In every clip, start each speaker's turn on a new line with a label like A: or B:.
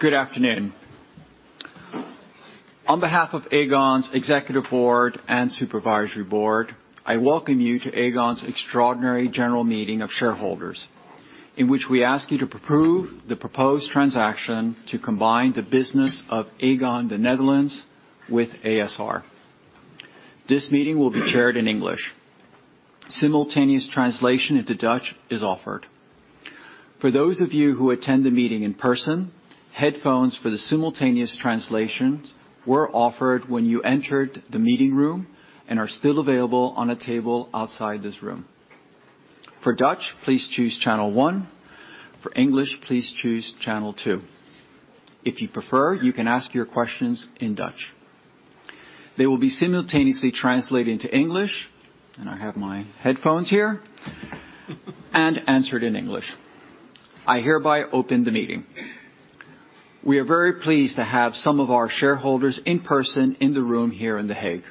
A: Good afternoon. On behalf of Aegon's executive board and supervisory board, I welcome you to Aegon's Extraordinary General Meeting of Shareholders, in which we ask you to approve the proposed transaction to combine the business of Aegon, the Netherlands with a.s.r. This meeting will be chaired in English. Simultaneous translation into Dutch is offered. For those of you who attend the meeting in person, headphones for the simultaneous translations were offered when you entered the meeting room and are still available on a table outside this room. For Dutch, please choose channel one. For English, please choose channel two. If you prefer, you can ask your questions in Dutch. They will be simultaneously translated into English, and I have my headphones here, and answered in English. I hereby open the meeting. We are very pleased to have some of our shareholders in person in the room here in The Hague.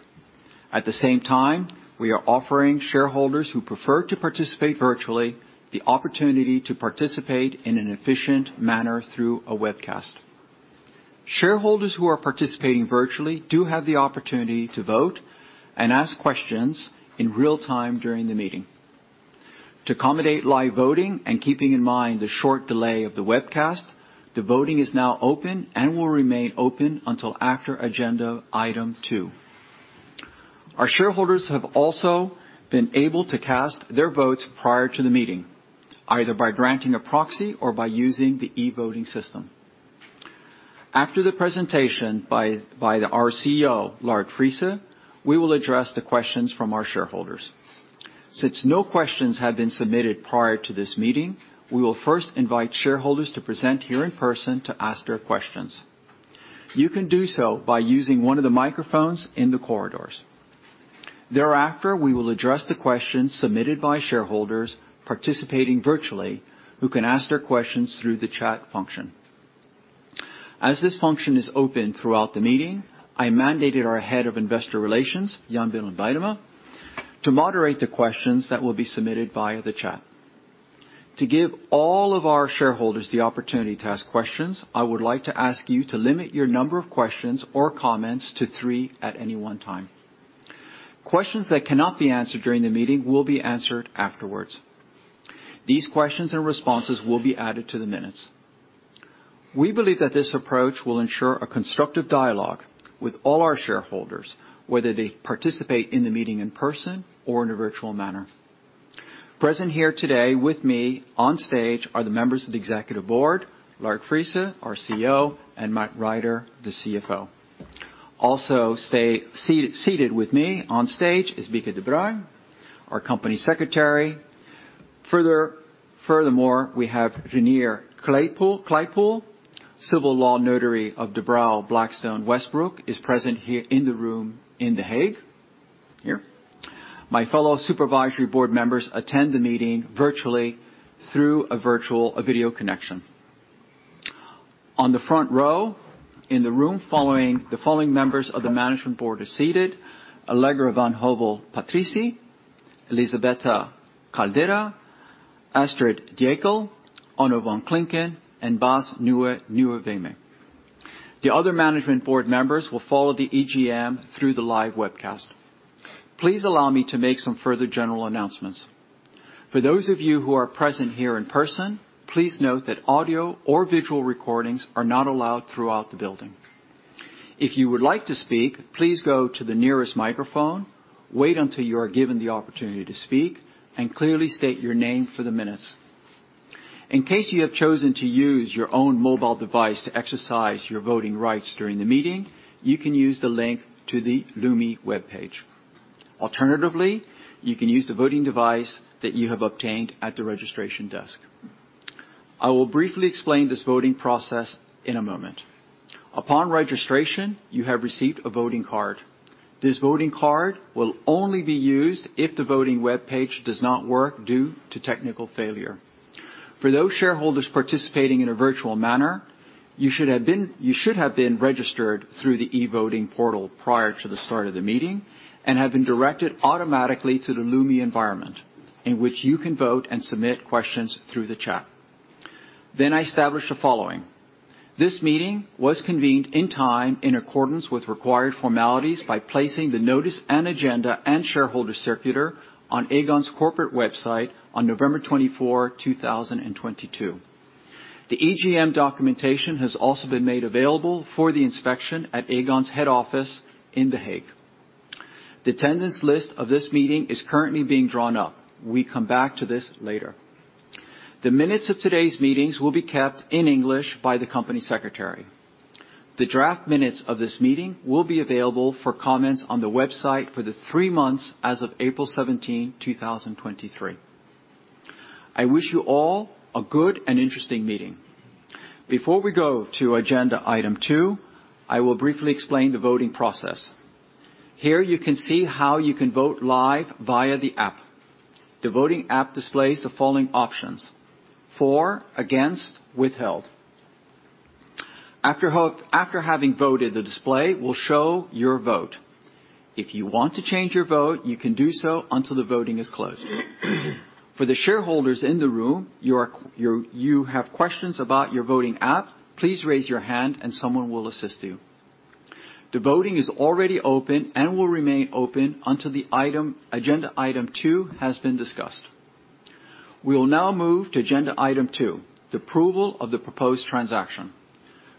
A: At the same time, we are offering shareholders who prefer to participate virtually the opportunity to participate in an efficient manner through a webcast. Shareholders who are participating virtually do have the opportunity to vote and ask questions in real time during the meeting. To accommodate live voting and keeping in mind the short delay of the webcast, the voting is now open and will remain open until after agenda item two. Our shareholders have also been able to cast their votes prior to the meeting, either by granting a proxy or by using the e-voting system. After the presentation by our CEO, Lard Friese, we will address the questions from our shareholders. No questions have been submitted prior to this meeting, we will first invite shareholders to present here in person to ask their questions. You can do so by using one of the microphones in the corridors. Thereafter, we will address the questions submitted by shareholders participating virtually who can ask their questions through the chat function. As this function is open throughout the meeting, I mandated our Head of Investor Relations, Jan-Willem van den Munnikhof, to moderate the questions that will be submitted via the chat. To give all of our shareholders the opportunity to ask questions, I would like to ask you to limit your number of questions or comments to three at any one time. Questions that cannot be answered during the meeting will be answered afterwards. These questions and responses will be added to the minutes. We believe that this approach will ensure a constructive dialogue with all our shareholders, whether they participate in the meeting in person or in a virtual manner. Present here today with me on stage are the members of the Executive Board, Lard Friese, our CEO, and Matt Rider, the CFO. Seated with me on stage is Bieke de Bruyne, our Company Secretary. Furthermore, we have Jan Reinier Kleipool, Civil Law Notary of De Brauw Blackstone Westbroek, is present here in the room in The Hague. Here. My fellow Supervisory Board members attend the meeting virtually through a virtual video connection. On the front row in the room, the following members of the Management Board are seated, Allegra van Hövell-Patrizi, Elisabetta Caldera, Astrid Jäkel, Onno van Klinken, and Bas NieuweWeme. The other Management Board members will follow the EGM through the live webcast. Please allow me to make some further general announcements. For those of you who are present here in person, please note that audio or visual recordings are not allowed throughout the building. If you would like to speak, please go to the nearest microphone, wait until you are given the opportunity to speak, and clearly state your name for the minutes. In case you have chosen to use your own mobile device to exercise your voting rights during the meeting, you can use the link to the Lumi webpage. Alternatively, you can use the voting device that you have obtained at the registration desk. I will briefly explain this voting process in a moment. Upon registration, you have received a voting card. This voting card will only be used if the voting webpage does not work due to technical failure. For those shareholders participating in a virtual manner, you should have been registered through the e-voting portal prior to the start of the meeting and have been directed automatically to the Lumi environment in which you can vote and submit questions through the chat. I establish the following. This meeting was convened in time in accordance with required formalities by placing the notice and agenda and shareholder circular on Aegon's corporate website on November 24, 2022. The EGM documentation has also been made available for the inspection at Aegon's head office in The Hague. The attendance list of this meeting is currently being drawn up. We come back to this later. The minutes of today's meetings will be kept in English by the company secretary. The draft minutes of this meeting will be available for comments on the website for the three months as of April 17, 2023. I wish you all a good and interesting meeting. Before we go to agenda item two, I will briefly explain the voting process. Here you can see how you can vote live via the app. The voting app displays the following options: for, against, withheld. After having voted, the display will show your vote. If you want to change your vote, you can do so until the voting is closed. For the shareholders in the room, your, you have questions about your voting app, please raise your hand and someone will assist you. The voting is already open and will remain open until the item, agenda item two has been discussed. We will now move to agenda item two, the approval of the proposed transaction.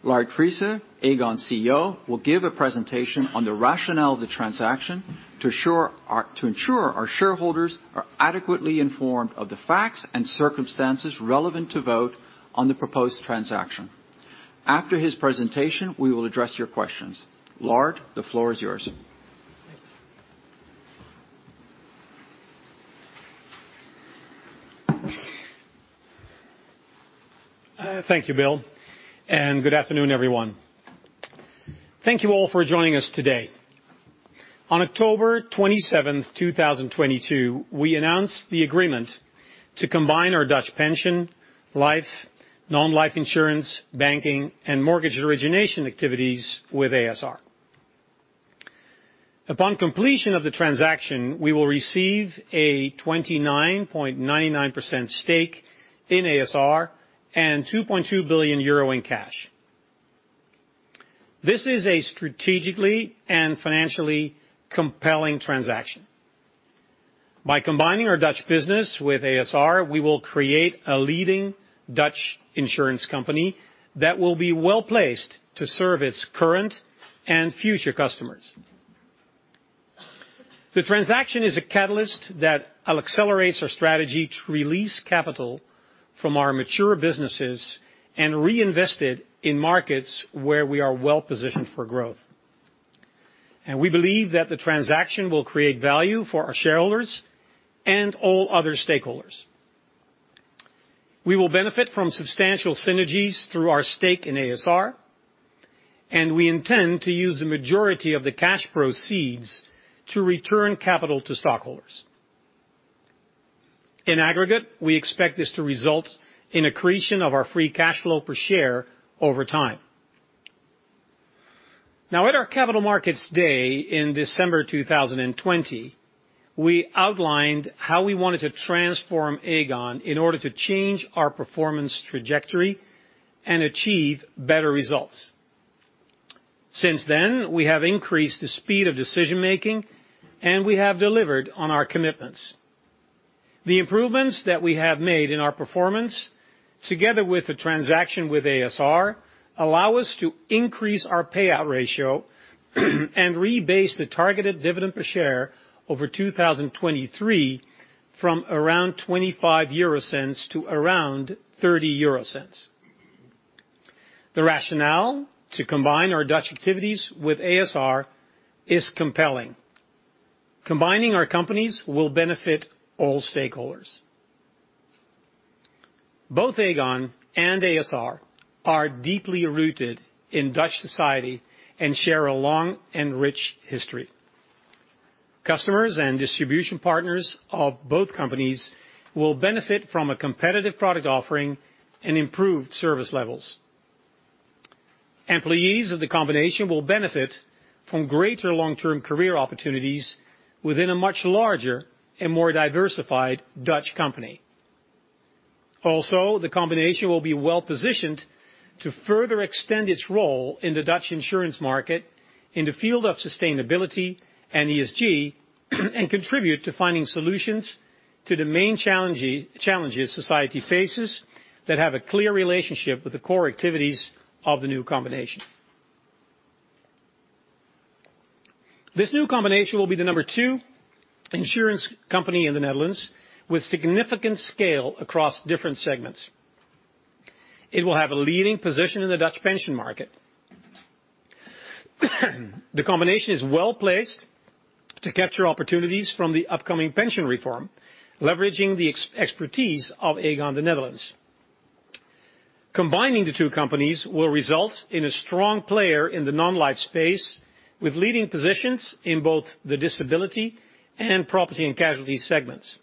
A: Lard Friese, Aegon CEO, will give a presentation on the rationale of the transaction to ensure our shareholders are adequately informed of the facts and circumstances relevant to vote on the proposed transaction. After his presentation, we will address your questions. Lard, the floor is yours.
B: Thank you, Bill. Good afternoon, everyone. Thank you all for joining us today. On October 27, 2022, we announced the agreement to combine our Dutch pension, life, non-life insurance, banking, and mortgage origination activities with a.s.r. Upon completion of the transaction, we will receive a 29.99% stake in a.s.r. and 2.2 billion euro in cash. This is a strategically and financially compelling transaction. By combining our Dutch business with a.s.r., we will create a leading Dutch insurance company that will be well-placed to serve its current and future customers. The transaction is a catalyst that accelerates our strategy to release capital from our mature businesses and reinvest it in markets where we are well-positioned for growth. We believe that the transaction will create value for our shareholders and all other stakeholders. We will benefit from substantial synergies through our stake in a.s.r., and we intend to use the majority of the cash proceeds to return capital to stockholders. In aggregate, we expect this to result in accretion of our free cash flow per share over time. Now at our Capital Markets Day in December 2020, we outlined how we wanted to transform Aegon in order to change our performance trajectory and achieve better results. Since then, we have increased the speed of decision-making, and we have delivered on our commitments. The improvements that we have made in our performance, together with the transaction with a.s.r., allow us to increase our payout ratio and rebase the targeted dividend per share over 2023 from around 0.25-0.30 euro. The rationale to combine our Dutch activities with a.s.r. is compelling. Combining our companies will benefit all stakeholders. Both Aegon and a.s.r. are deeply rooted in Dutch society and share a long and rich history. Customers and distribution partners of both companies will benefit from a competitive product offering and improved service levels. Employees of the combination will benefit from greater long-term career opportunities within a much larger and more diversified Dutch company. Also, the combination will be well-positioned to further extend its role in the Dutch insurance market in the field of sustainability and ESG and contribute to finding solutions to the main challenges society faces that have a clear relationship with the core activities of the new combination. This new combination will be the number 2 insurance company in the Netherlands with significant scale across different segments. It will have a leading position in the Dutch pension market. The combination is well-placed to capture opportunities from the upcoming pension reform, leveraging the expertise of Aegon The Netherlands. Combining the two companies will result in a strong player in the non-life space with leading positions in both the disability and property and casualty segments.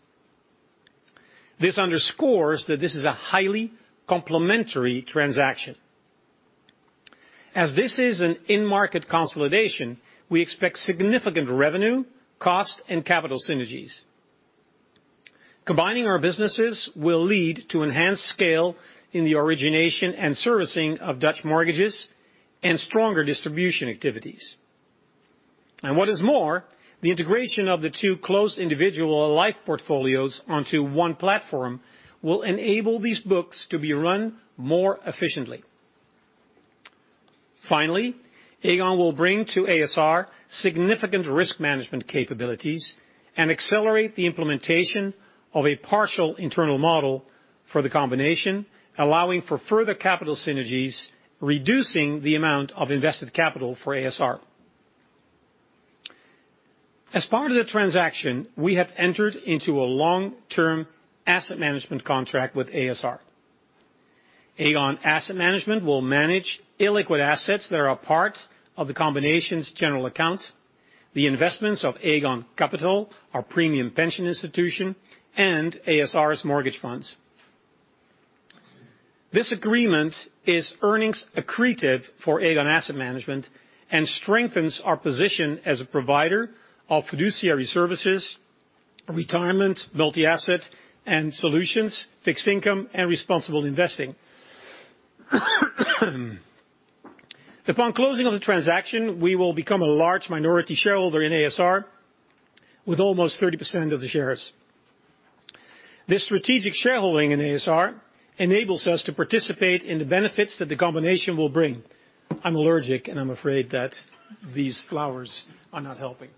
B: This underscores that this is a highly complementary transaction. As this is an in-market consolidation, we expect significant revenue, cost, and capital synergies. Combining our businesses will lead to enhanced scale in the origination and servicing of Dutch mortgages and stronger distribution activities. What is more, the integration of the two close individual life portfolios onto one platform will enable these books to be run more efficiently. Finally, Aegon will bring to a.s.r. significant risk management capabilities and accelerate the implementation of a partial internal model for the combination, allowing for further capital synergies, reducing the amount of invested capital for a.s.r. As part of the transaction, we have entered into a long-term asset management contract with a.s.r. Aegon Asset Management will manage illiquid assets that are part of the combination's general account, the investments of Aegon Cappital, our premium pension institution, and a.s.r.'s mortgage funds. This agreement is earnings accretive for Aegon Asset Management and strengthens our position as a provider of fiduciary services, retirement, multi-asset and solutions, fixed income, and responsible investing. Upon closing of the transaction, we will become a large minority shareholder in a.s.r. with almost 30% of the shares. This strategic shareholding in a.s.r. enables us to participate in the benefits that the combination will bring. I'm allergic, and I'm afraid that these flowers are not helping.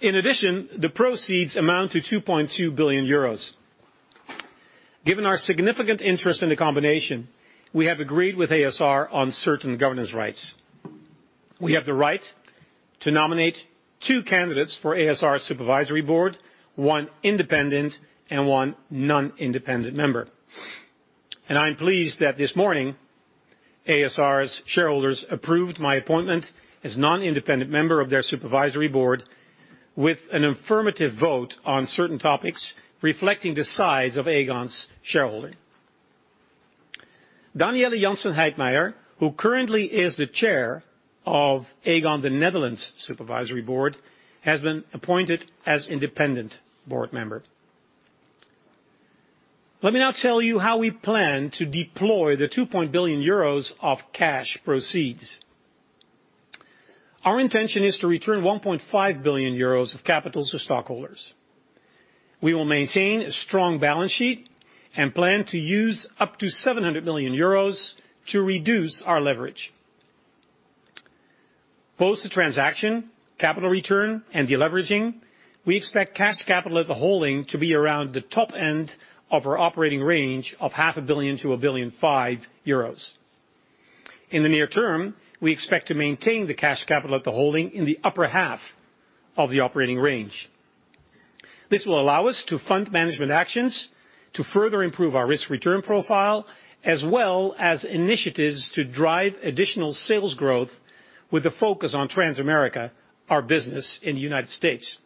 B: In addition, the proceeds amount to 2.2 billion euros. Given our significant interest in the combination, we have agreed with a.s.r. on certain governance rights. We have the right to nominate two candidates for a.s.r. Supervisory Board, one independent and one non-independent member. I'm pleased that this morning, a.s.r.'s shareholders approved my appointment as non-independent member of their Supervisory Board with an affirmative vote on certain topics reflecting the size of Aegon's shareholding. Daniëlle Jansen Heijtmajer, who currently is the chair of Aegon, the Netherlands Supervisory Board, has been appointed as independent board member. Let me now tell you how we plan to deploy the 2 billion euros of cash proceeds. Our intention is to return 1.5 billion euros of capital to stockholders. We will maintain a strong balance sheet and plan to use up to 700 million euros to reduce our leverage. Post the transaction, capital return, and deleveraging, we expect cash capital at the holding to be around the top end of our operating range of 0.5 billion to a 5 billion euros. In the near term, we expect to maintain the cash capital at the holding in the upper half of the operating range. This will allow us to fund management actions to further improve our risk-return profile, as well as initiatives to drive additional sales growth with a focus on Transamerica, our business in the United States.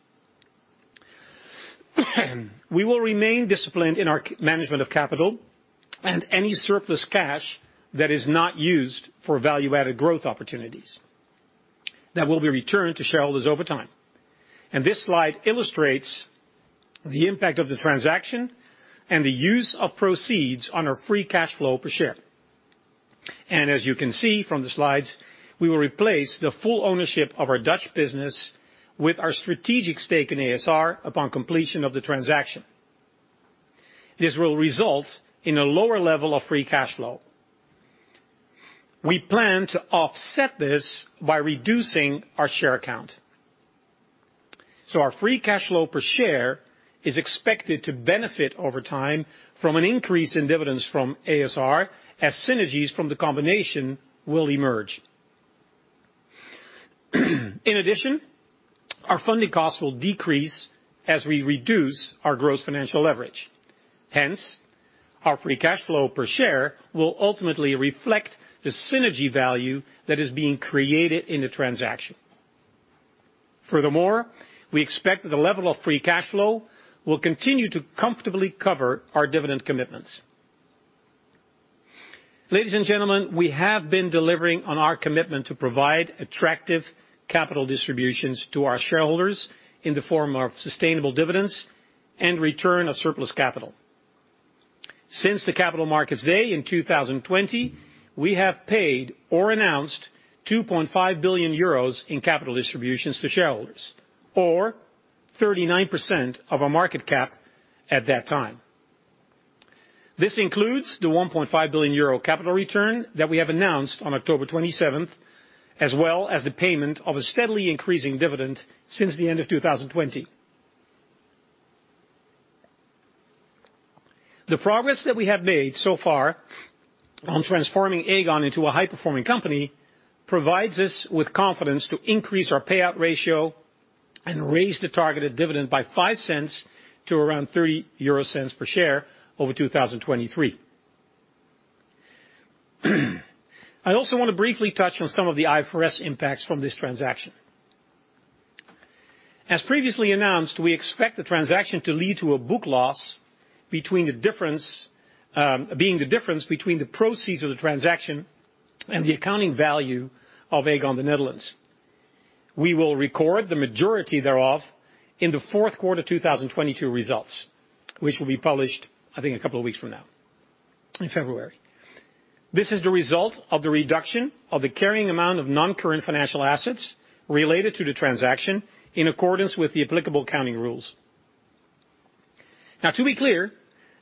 B: We will remain disciplined in our management of capital and any surplus cash that is not used for value-added growth opportunities that will be returned to shareholders over time. This slide illustrates the impact of the transaction and the use of proceeds on our free cash flow per share. As you can see from the slides, we will replace the full ownership of our Dutch business with our strategic stake in a.s.r. upon completion of the transaction. This will result in a lower level of free cash flow. We plan to offset this by reducing our share count. Our free cash flow per share is expected to benefit over time from an increase in dividends from a.s.r. as synergies from the combination will emerge. In addition, our funding costs will decrease as we reduce our gross financial leverage. Our free cash flow per share will ultimately reflect the synergy value that is being created in the transaction. We expect the level of free cash flow will continue to comfortably cover our dividend commitments. Ladies and gentlemen, we have been delivering on our commitment to provide attractive capital distributions to our shareholders in the form of sustainable dividends and return of surplus capital. Since the Capital Markets Day in 2020, we have paid or announced 2.5 billion euros in capital distributions to shareholders, or 39% of our market cap at that time. This includes the 1.5 billion euro capital return that we have announced on October 27th, as well as the payment of a steadily increasing dividend since the end of 2020. The progress that we have made so far on transforming Aegon into a high-performing company provides us with confidence to increase our payout ratio and raise the targeted dividend by 0.05 to around 0.30 per share over 2023. I also wanna briefly touch on some of the IFRS impacts from this transaction. As previously announced, we expect the transaction to lead to a book loss between the difference, being the difference between the proceeds of the transaction and the accounting value of Aegon Nederland. We will record the majority thereof in the fourth quarter 2022 results, which will be published, I think, a couple of weeks from now in February. This is the result of the reduction of the carrying amount of non-current financial assets related to the transaction in accordance with the applicable accounting rules. Now, to be clear,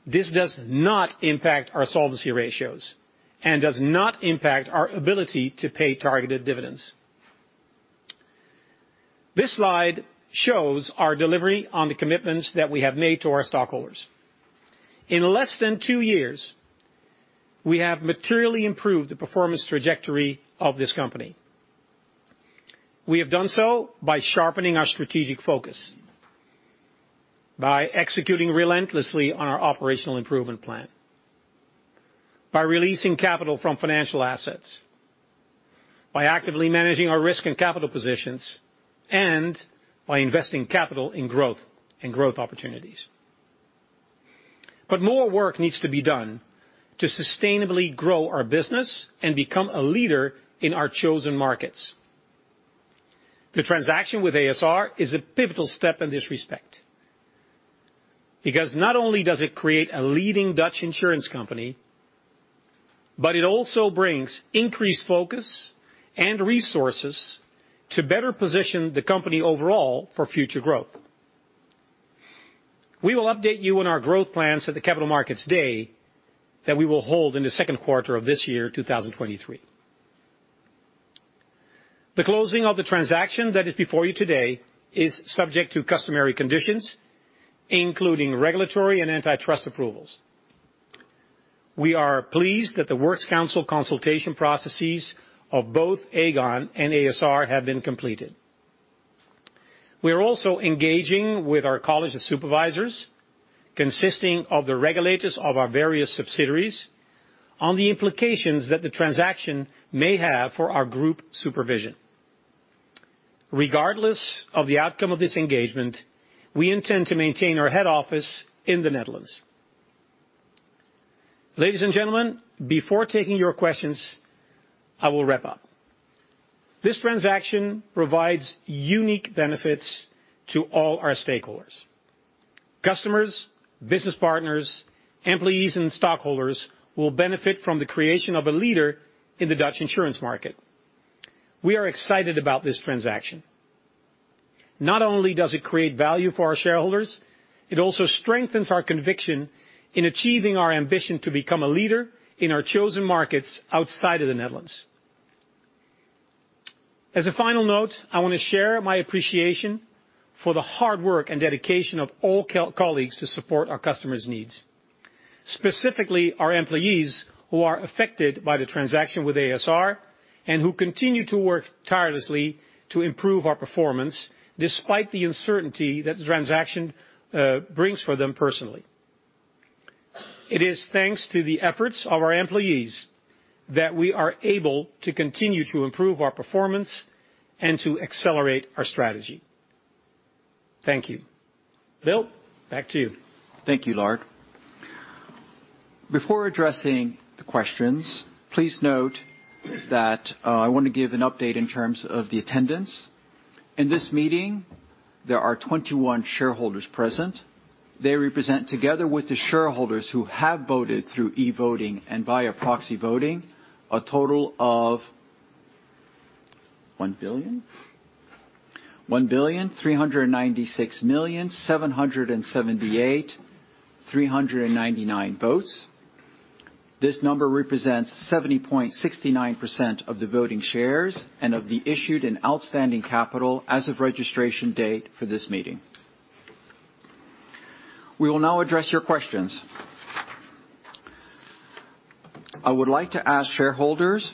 B: this does not impact our solvency ratios and does not impact our ability to pay targeted dividends. This slide shows our delivery on the commitments that we have made to our stockholders. In less than two years, we have materially improved the performance trajectory of this company. We have done so by sharpening our strategic focus, by executing relentlessly on our operational improvement plan. By releasing capital from financial assets, by actively managing our risk and capital positions, and by investing capital in growth and growth opportunities. More work needs to be done to sustainably grow our business and become a leader in our chosen markets. The transaction with a.s.r. is a pivotal step in this respect, because not only does it create a leading Dutch insurance company, but it also brings increased focus and resources to better position the company overall for future growth. We will update you on our growth plans at the Capital Markets Day that we will hold in the second quarter of this year, 2023. The closing of the transaction that is before you today is subject to customary conditions, including regulatory and antitrust approvals. We are pleased that the Works Council consultation processes of both Aegon and a.s.r. have been completed. We are also engaging with our College of Supervisors, consisting of the regulators of our various subsidiaries, on the implications that the transaction may have for our group supervision. Regardless of the outcome of this engagement, we intend to maintain our head office in the Netherlands. Ladies and gentlemen, before taking your questions, I will wrap up. This transaction provides unique benefits to all our stakeholders. Customers, business partners, employees, and stockholders will benefit from the creation of a leader in the Dutch insurance market. We are excited about this transaction. Not only does it create value for our shareholders, it also strengthens our conviction in achieving our ambition to become a leader in our chosen markets outside of the Netherlands. As a final note, I wanna share my appreciation for the hard work and dedication of all colleagues to support our customers' needs, specifically our employees who are affected by the transaction with a.s.r. and who continue to work tirelessly to improve our performance despite the uncertainty that the transaction brings for them personally. It is thanks to the efforts of our employees that we are able to continue to improve our performance and to accelerate our strategy. Thank you. Bill, back to you.
A: Thank you, Lard. Before addressing the questions, please note that I wanna give an update in terms of the attendance. In this meeting, there are 21 shareholders present. They represent, together with the shareholders who have voted through e-voting and via proxy voting, a total of 1 billion? 1,396,778,399 votes. This number represents 70.69% of the voting shares and of the issued and outstanding capital as of registration date for this meeting. We will now address your questions. I would like to ask shareholders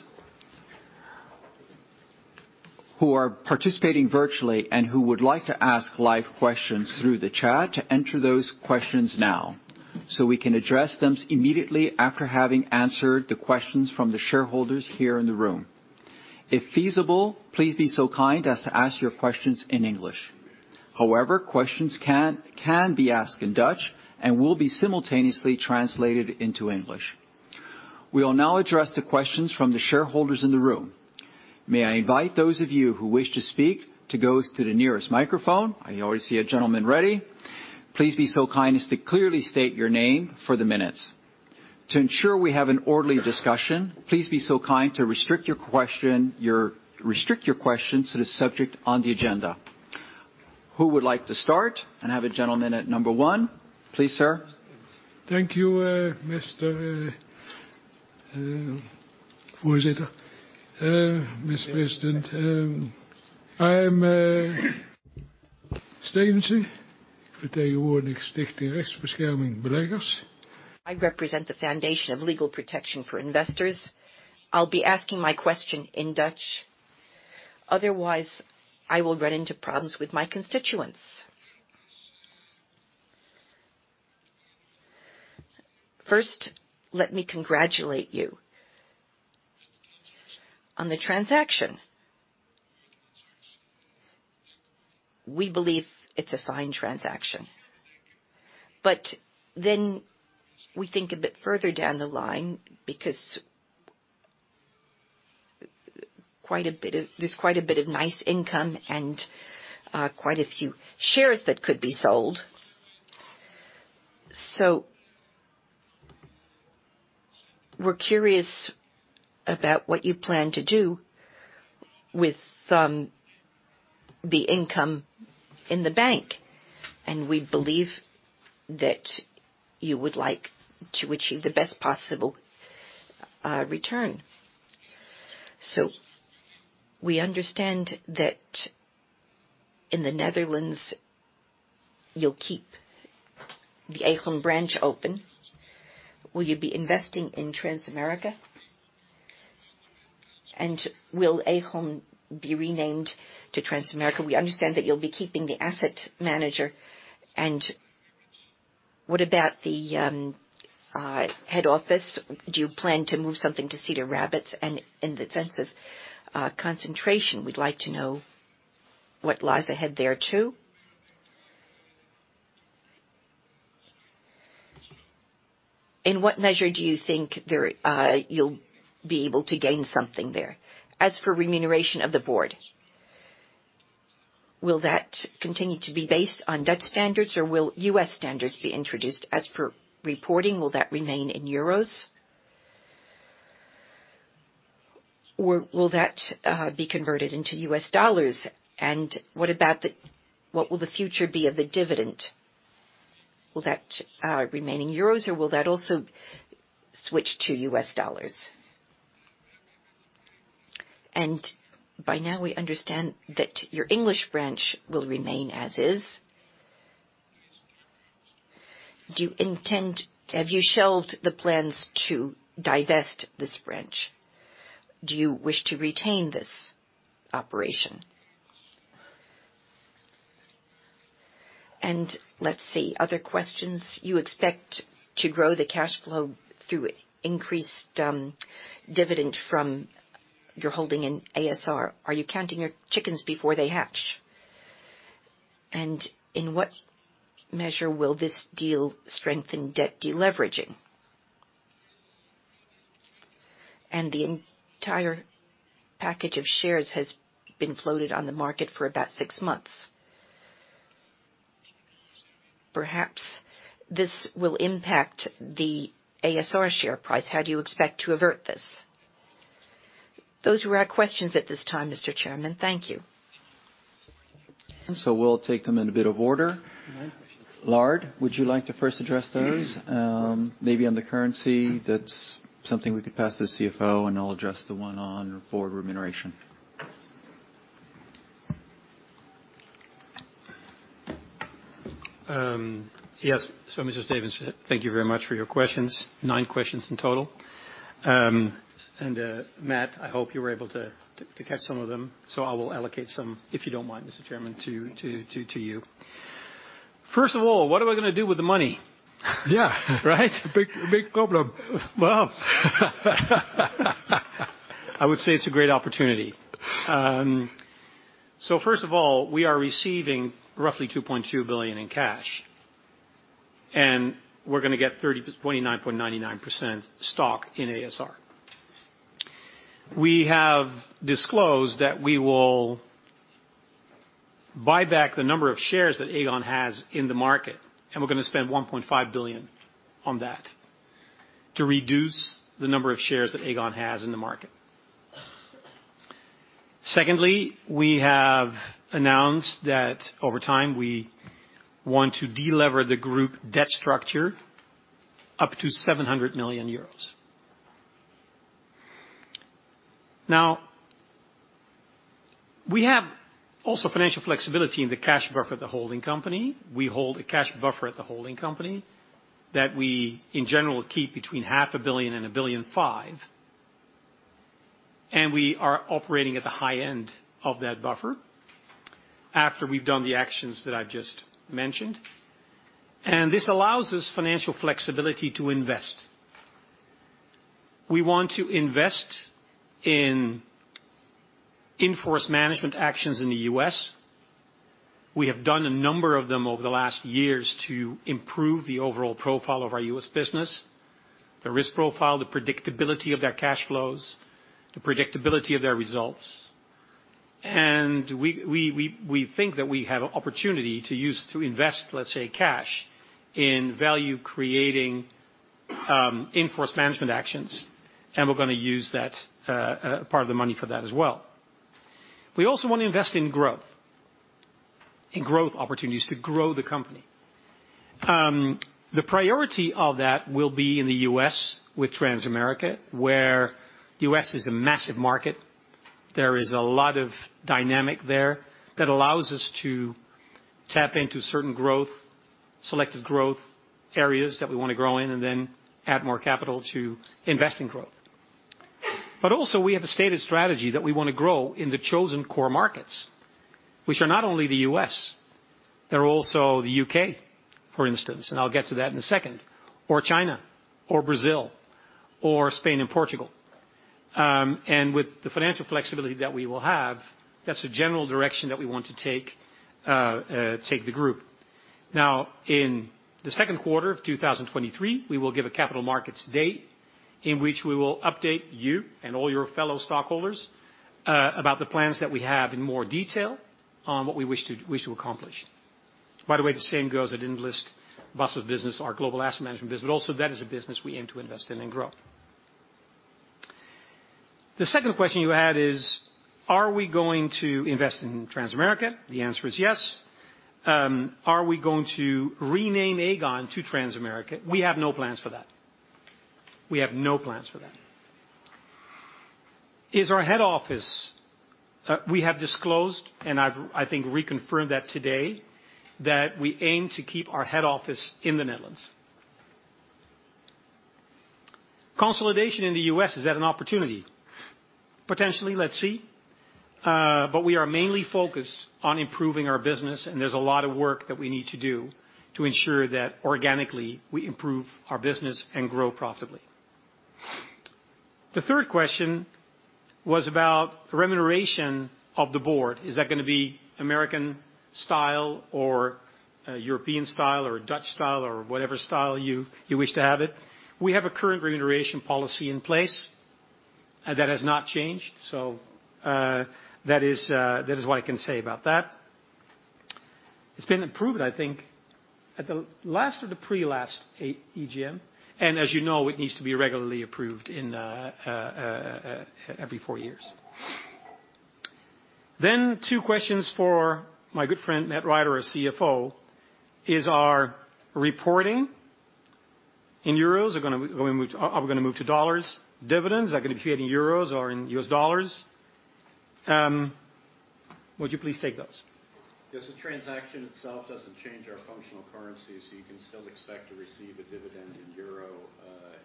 A: who are participating virtually and who would like to ask live questions through the chat to enter those questions now, so we can address them immediately after having answered the questions from the shareholders here in the room. If feasible, please be so kind as to ask your questions in English. Questions can be asked in Dutch and will be simultaneously translated into English. We will now address the questions from the shareholders in the room. May I invite those of you who wish to speak to go to the nearest microphone? I already see a gentleman ready. Please be so kind as to clearly state your name for the minutes. To ensure we have an orderly discussion, please be so kind to restrict your question, restrict your questions to the subject on the agenda. Who would like to start? I have a gentleman at number one. Please, sir.
C: Thank you, Mr. Voorzitter. Mr. President, I am Stevenson.
D: I represent the Foundation of Legal Protection for Investors. I'll be asking my question in Dutch. Otherwise, I will run into problems with my constituents. First, let me congratulate you on the transaction. We believe it's a fine transaction. We think a bit further down the line because there's quite a bit of nice income and quite a few shares that could be sold. We're curious about what you plan to do with the income in the bank, and we believe that you would like to achieve the best possible return. We understand that in the Netherlands, you'll keep the Aegon branch open. Will you be investing in Transamerica? And will Aegon be renamed to Transamerica? We understand that you'll be keeping the asset manager. What about the head office? Do you plan to move something to Cedar Rapids? In the sense of concentration, we'd like to know what lies ahead there too. In what measure do you think there, you'll be able to gain something there? As for remuneration of the board, will that continue to be based on Dutch standards, or will U.S. standards be introduced? As for reporting, will that remain in euros? Will that be converted into U.S. dollars? What will the future be of the dividend? Will that remain in euros, or will that also switch to U.S. dollars? By now, we understand that your English branch will remain as is. Have you shelved the plans to divest this branch? Do you wish to retain this operation? Let's see, other questions. You expect to grow the cash flow through increased, dividend from your holding in a.s.r.. Are you counting your chickens before they hatch? In what measure will this deal strengthen debt deleveraging? The entire package of shares has been floated on the market for about six months. Perhaps this will impact the a.s.r. Share price. How do you expect to avert this? Those were our questions at this time, Mr. Chairman. Thank you.
A: We'll take them in a bit of order.
B: All right.
A: Lard, would you like to first address those? Maybe on the currency, that's something we could pass to the CFO, and I'll address the one on board remuneration.
B: Yes. Mrs. Davidson, thank you very much for your questions. Nine questions in total. And Matt, I hope you were able to catch some of them. I will allocate some, if you don't mind, Mr. Chairman to you. First of all, what am I gonna do with the money?
E: Yeah.
B: Right?
E: Big, big problem.
B: I would say it's a great opportunity. First of all, we are receiving roughly 2.2 billion in cash, we're gonna get 29.99% stock in a.s.r. We have disclosed that we will buy back the number of shares that Aegon has in the market, we're gonna spend 1.5 billion on that to reduce the number of shares that Aegon has in the market. Secondly, we have announced that over time, we want to delever the group debt structure up to 700 million euros. We have also financial flexibility in the cash buffer at the holding company. We hold a cash buffer at the holding company that we, in general, keep between half a billion and 1.5 billion. We are operating at the high end of that buffer after we've done the actions that I've just mentioned. This allows us financial flexibility to invest. We want to invest in in-force management actions in the U.S. We have done a number of them over the last years to improve the overall profile of our U.S. business, the risk profile, the predictability of their cash flows, the predictability of their results. We think that we have opportunity to use to invest, let's say, cash in value creating in-force management actions, and we're gonna use that part of the money for that as well. We also wanna invest in growth, in growth opportunities to grow the company. The priority of that will be in the U.S. with Transamerica, where U.S. is a massive market. There is a lot of dynamic there that allows us to tap into certain growth, selected growth areas that we wanna grow in and then add more capital to invest in growth. Also, we have a stated strategy that we wanna grow in the chosen core markets, which are not only the U.S., they're also the U.K., for instance, and I'll get to that in a second, or China or Brazil or Spain and Portugal. With the financial flexibility that we will have, that's the general direction that we want to take the group. In the second quarter of 2023, we will give a Capital Markets Day in which we will update you and all your fellow stockholders about the plans that we have in more detail on what we wish to accomplish. By the way, the same goes, I didn't list Bas's business, our global Aegon Asset Management business, but also that is a business we aim to invest in and grow. The second question you had is, are we going to invest in Transamerica? The answer is yes. Are we going to rename Aegon to Transamerica? We have no plans for that. We have no plans for that. We have disclosed, and I've, I think, reconfirmed that today, that we aim to keep our head office in the Netherlands. Consolidation in the U.S., is that an opportunity? Potentially, let's see. We are mainly focused on improving our business, and there's a lot of work that we need to do to ensure that organically we improve our business and grow profitably. The third question was about remuneration of the board. Is that gonna be American style or European style or Dutch style or whatever style you wish to have it? We have a current remuneration policy in place, and that has not changed. That is what I can say about that. It's been approved, I think, at the last or the pre-last EGM, and as you know, it needs to be regularly approved in every four years. Two questions for my good friend, Matt Rider, our CFO, is our reporting in euros are we gonna move to dollars? Dividends, are gonna be paid in euros or in US dollars? Would you please take those?
E: Yes. The transaction itself doesn't change our functional currency, so you can still expect to receive a dividend in euros,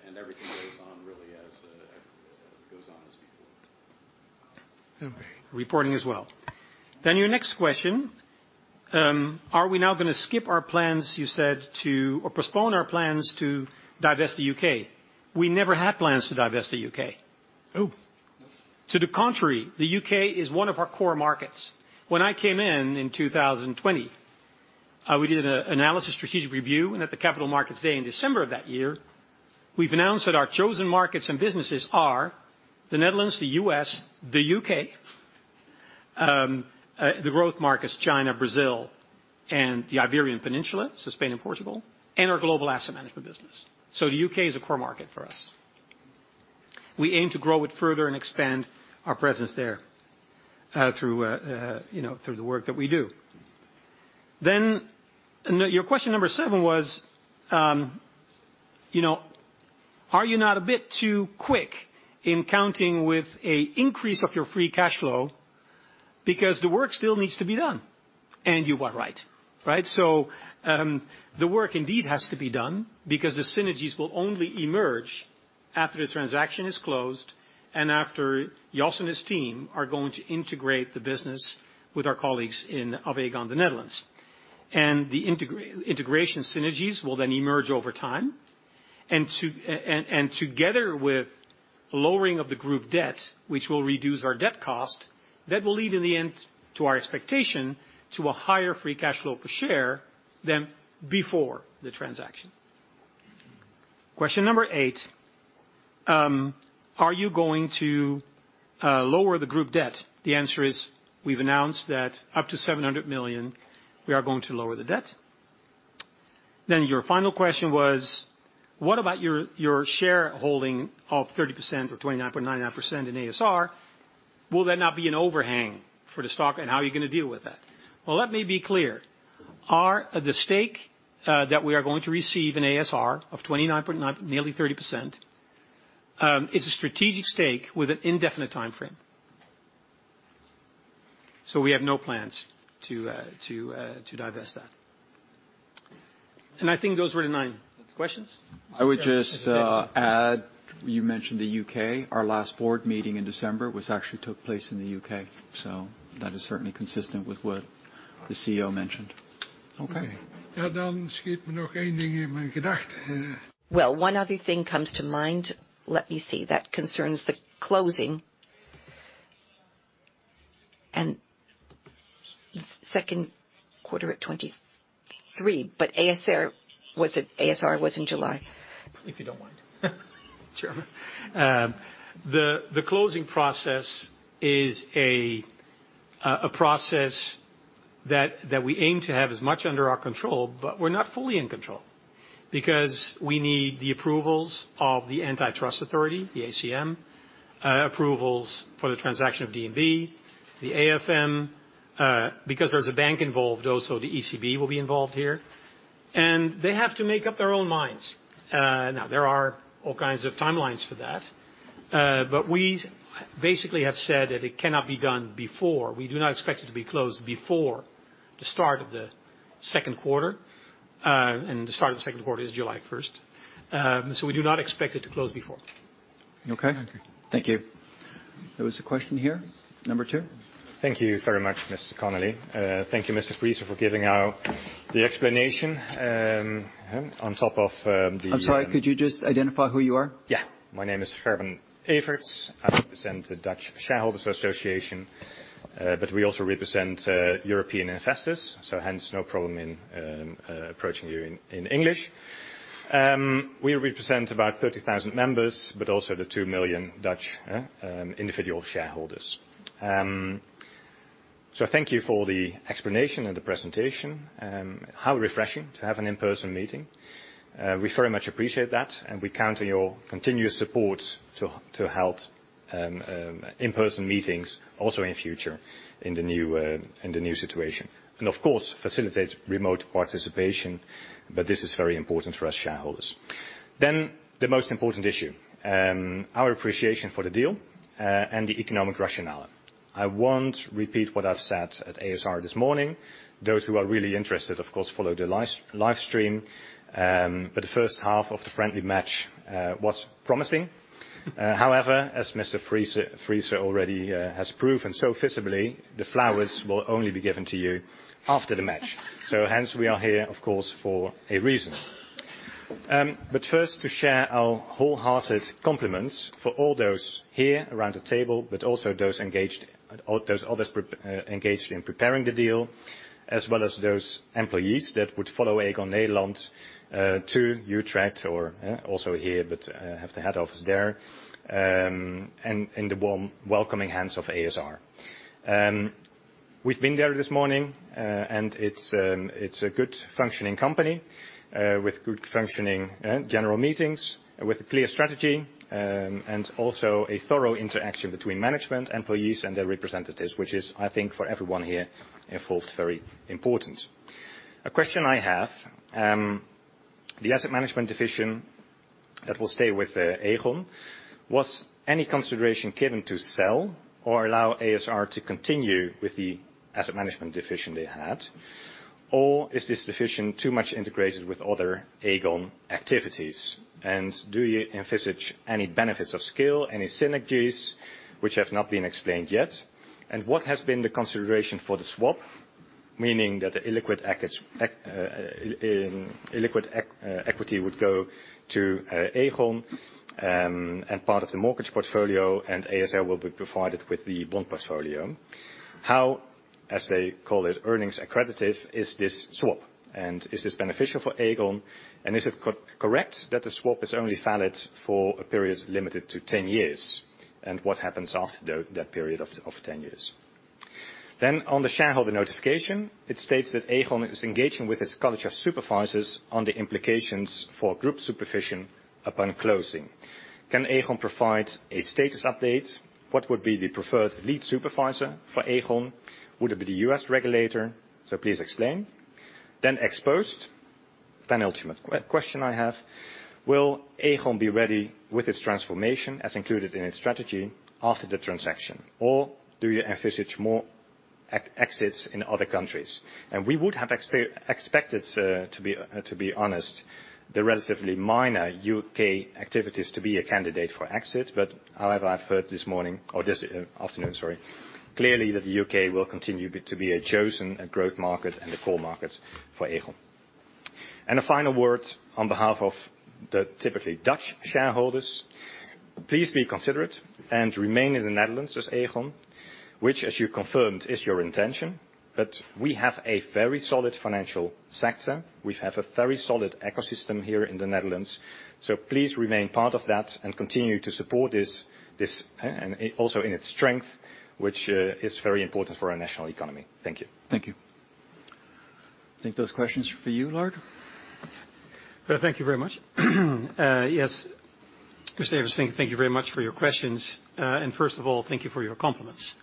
E: and everything goes on really as before.
B: Okay. Reporting as well. Your next question, are we now gonna skip our plans, you said, to or postpone our plans to divest the U.K.? We never had plans to divest the U.K.
A: Oh.
B: To the contrary, the U.K. is one of our core markets. When I came in in 2020, we did an analysis strategic review. At the Capital Markets Day in December of that year, we've announced that our chosen markets and businesses are the Netherlands, the U.S., the U.K., the growth markets, China, Brazil, and the Iberian Peninsula, so Spain and Portugal, and our global asset management business. The U.K. is a core market for us. We aim to grow it further and expand our presence there, through, you know, through the work that we do. Your question number seven was, you know, are you not a bit too quick in counting with a increase of your free cash flow because the work still needs to be done? You are right? The work indeed has to be done because the synergies will only emerge after the transaction is closed and after Jos Baeten and his team are going to integrate the business with our colleagues of Aegon Nederland. The integration synergies will then emerge over time. Together with lowering of the group debt, which will reduce our debt cost, that will lead in the end to our expectation to a higher free cash flow per share than before the transaction. Question number eight, are you going to lower the group debt? The answer is we've announced that up to 700 million, we are going to lower the debt. Your final question was, what about your share holding of 30% or 29.99% in a.s.r.? Will that now be an overhang for the stock, and how are you gonna deal with that? Well, let me be clear. The stake that we are going to receive in a.s.r. of 29.9%, nearly 30%, is a strategic stake with an indefinite timeframe. We have no plans to divest that. I think those were the nine questions.
A: I would just add, you mentioned the U.K. Our last board meeting in December was actually took place in the U.K. That is certainly consistent with what the CEO mentioned.
B: Okay.
D: Well, one other thing comes to mind. Let me see. That concerns the closing. Second quarter at 2023, but a.s.r. was in July.
B: If you don't mind, Chairman. The closing process is a process that we aim to have as much under our control, but we're not fully in control because we need the approvals of the antitrust authority, the ACM, approvals for the transaction of DNB, the AFM, because there's a bank involved also, the ECB will be involved here, and they have to make up their own minds. Now there are all kinds of timelines for that, but we basically have said that it cannot be done before. We do not expect it to be closed before the start of the second quarter, and the start of the second quarter is July first. We do not expect it to close before.
A: Okay. Thank you.
B: There was a question here. Number two.
F: Thank you very much, Mr. Connelly. Thank you, Mr. Friese, for giving out the explanation, on top of.
B: I'm sorry. Could you just identify who you are?
F: My name is Erwin Evertse. I represent the Dutch Shareholders' Association, we also represent European investors, hence no problem in approaching you in English. We represent about 30,000 members, also the 2 million Dutch individual shareholders. Thank you for the explanation and the presentation. How refreshing to have an in-person meeting. We very much appreciate that, we count on your continuous support to help in-person meetings also in future in the new situation. Of course, facilitate remote participation, this is very important for us shareholders. The most important issue, our appreciation for the deal, the economic rationale. I won't repeat what I've said at a.s.r. this morning. Those who are really interested, of course, follow the live stream. The first half of the friendly match was promising. However, as Mr. Frieser already has proved and so visibly, the flowers will only be given to you after the match. Hence, we are here, of course, for a reason. First to share our wholehearted compliments for all those here around the table, but also those others and engaged in preparing the deal, as well as those employees that would follow Aegon Nederland to Utrecht or also here, but have the head office there, and in the warm, welcoming hands of a.s.r. We've been there this morning, and it's a good functioning company with good functioning general meetings, with a clear strategy, and also a thorough interaction between management, employees and their representatives, which is, I think, for everyone here involved, very important. A question I have, the asset management division that will stay with Aegon, was any consideration given to sell or allow a.s.r. to continue with the asset management division they had? Is this division too much integrated with other Aegon activities? Do you envisage any benefits of scale, any synergies which have not been explained yet? What has been the consideration for the swap, meaning that the illiquid equity would go to Aegon, and part of the mortgage portfolio, and a.s.r. will be provided with the bond portfolio. How, as they call it, earnings accretive is this swap, is this beneficial for Aegon? Is it correct that the swap is only valid for a period limited to 10 years? What happens after that period of 10 years? On the shareholder notification, it states that Aegon is engaging with its College of Supervisors on the implications for group supervision upon closing. Can Aegon provide a status update? What would be the preferred lead supervisor for Aegon? Would it be the U.S. regulator? Please explain. Exposed, ultimate question I have. Will Aegon be ready with its transformation as included in its strategy after the transaction? Do you envisage more exits in other countries? We would have expected, sir, to be honest, the relatively minor U.K. activities to be a candidate for exit. However, I've heard this morning or this afternoon, sorry, clearly that the U.K. will continue to be a chosen growth market and the core markets for Aegon. A final word on behalf of the typically Dutch shareholders. Please be considerate and remain in the Netherlands as Aegon, which as you confirmed, is your intention. We have a very solid financial sector. We have a very solid ecosystem here in the Netherlands. Please remain part of that and continue to support this, and also in its strength, which is very important for our national economy. Thank you.
E: Thank you. I think those questions are for you, Lard.
B: Thank you very much. Yes. Mr. Evertse, thank you very much for your questions. First of all, thank you for your compliments,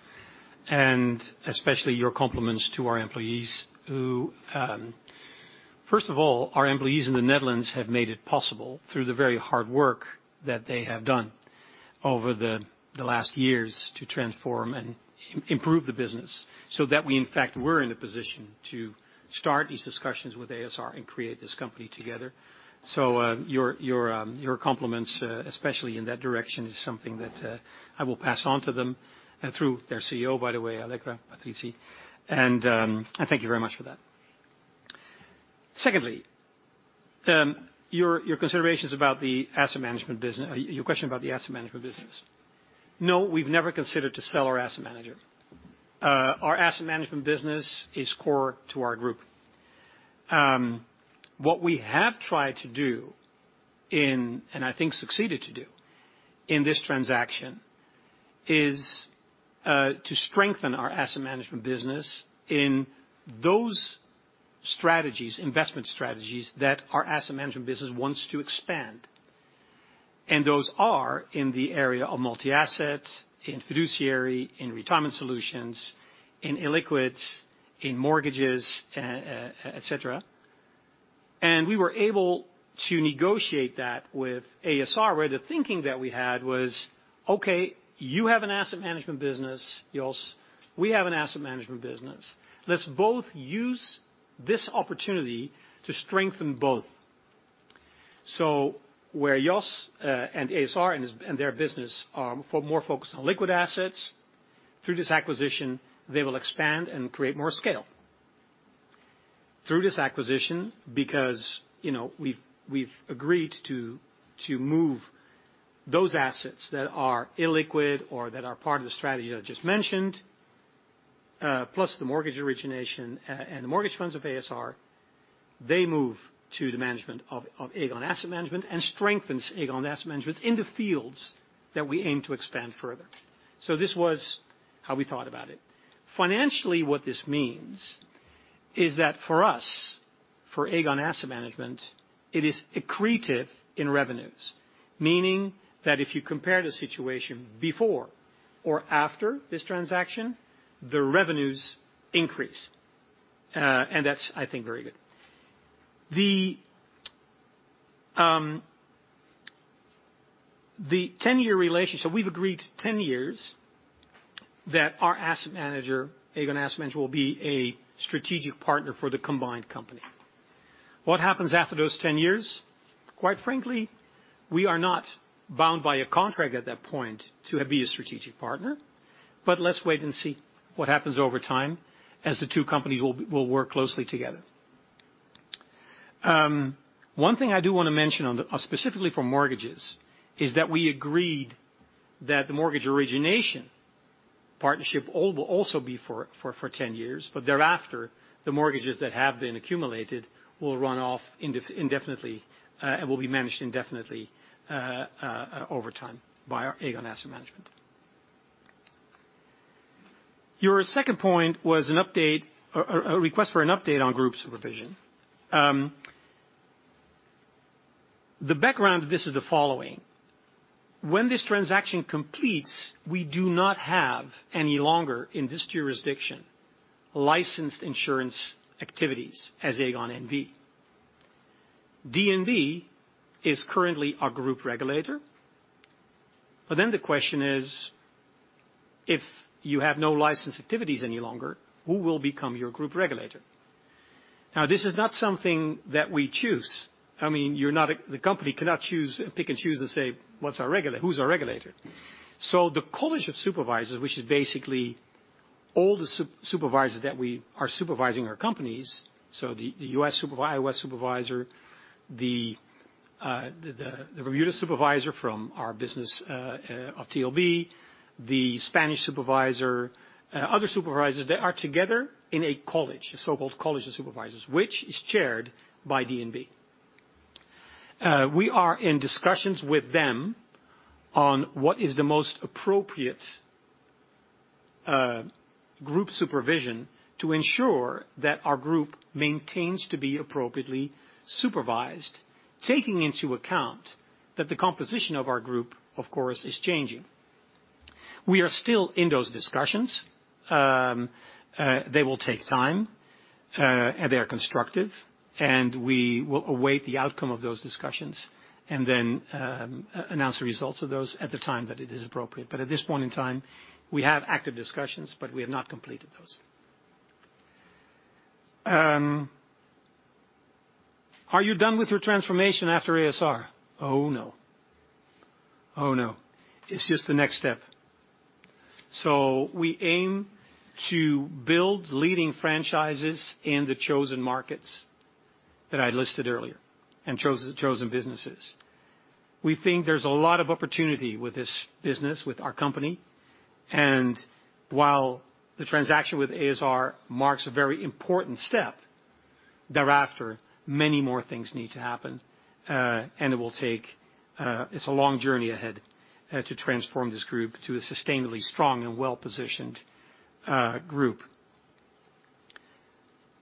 B: and especially your compliments to our employees who First of all, our employees in the Netherlands have made it possible through the very hard work that they have done over the last years to transform and improve the business so that we in fact were in a position to start these discussions with a.s.r. and create this company together. Your compliments, especially in that direction is something that I will pass on to them through their CEO, by the way, Allegra Patrizi. I thank you very much for that. Secondly, your considerations about the asset management business. Your question about the asset management business. No, we've never considered to sell our asset manager. Our asset management business is core to our group. What we have tried to do in, and I think succeeded to do in this transaction is to strengthen our asset management business in those strategies, investment strategies that our asset management business wants to expand. Those are in the area of multi-asset, in fiduciary, in retirement solutions, in illiquids, in mortgages, et cetera. We were able to negotiate that with a.s.r., where the thinking that we had was, okay, you have an asset management business, Jos. We have an asset management business. Let's both use this opportunity to strengthen both. Where Jos and a.s.r. and his, and their business are more focused on liquid assets, through this acquisition, they will expand and create more scale. Through this acquisition, because, you know, we've agreed to move those assets that are illiquid or that are part of the strategy I just mentioned, plus the mortgage origination, and the mortgage funds of a.s.r., they move to the management of Aegon Asset Management and strengthens Aegon Asset Management in the fields that we aim to expand further. This was how we thought about it. Financially, what this means is that for us, for Aegon Asset Management, it is accretive in revenues. Meaning that if you compare the situation before or after this transaction, the revenues increase. That's I think, very good. The 10-year relationship, we've agreed 10 years that our asset manager, Aegon Asset Management, will be a strategic partner for the combined company. What happens after those 10 years? Quite frankly, we are not bound by a contract at that point to be a strategic partner. Let's wait and see what happens over time as the two companies will work closely together. One thing I do wanna mention on the specifically for mortgages, is that we agreed that the mortgage origination partnership will also be for 10 years, but thereafter, the mortgages that have been accumulated will run off indefinitely and will be managed indefinitely over time by our Aegon Asset Management. Your second point was an update, a request for an update on group supervision. The background of this is the following: when this transaction completes, we do not have any longer, in this jurisdiction, licensed insurance activities as Aegon N.V. DNB is currently our group regulator. The question is: if you have no licensed activities any longer, who will become your group regulator? This is not something that we choose. I mean, the company cannot choose, pick and choose and say, "What's our regulator? Who's our regulator?" The College of Supervisors, which is basically all the supervisors that we are supervising our companies, the US supervisor, the Bermuda supervisor from our business of TOB, the Spanish supervisor, other supervisors, they are together in a college, a so-called College of Supervisors, which is chaired by DNB. We are in discussions with them on what is the most appropriate group supervision to ensure that our group maintains to be appropriately supervised, taking into account that the composition of our group, of course, is changing. We are still in those discussions. They will take time, and they are constructive, and we will await the outcome of those discussions and then announce the results of those at the time that it is appropriate. At this point in time, we have active discussions, but we have not completed those. Are you done with your transformation after a.s.r.? Oh, no. Oh, no. It's just the next step. We aim to build leading franchises in the chosen markets that I listed earlier and chosen businesses. We think there's a lot of opportunity with this business, with our company, and while the transaction with a.s.r. marks a very important step, thereafter, many more things need to happen, and it will take... it's a long journey ahead to transform this group to a sustainably strong and well-positioned group.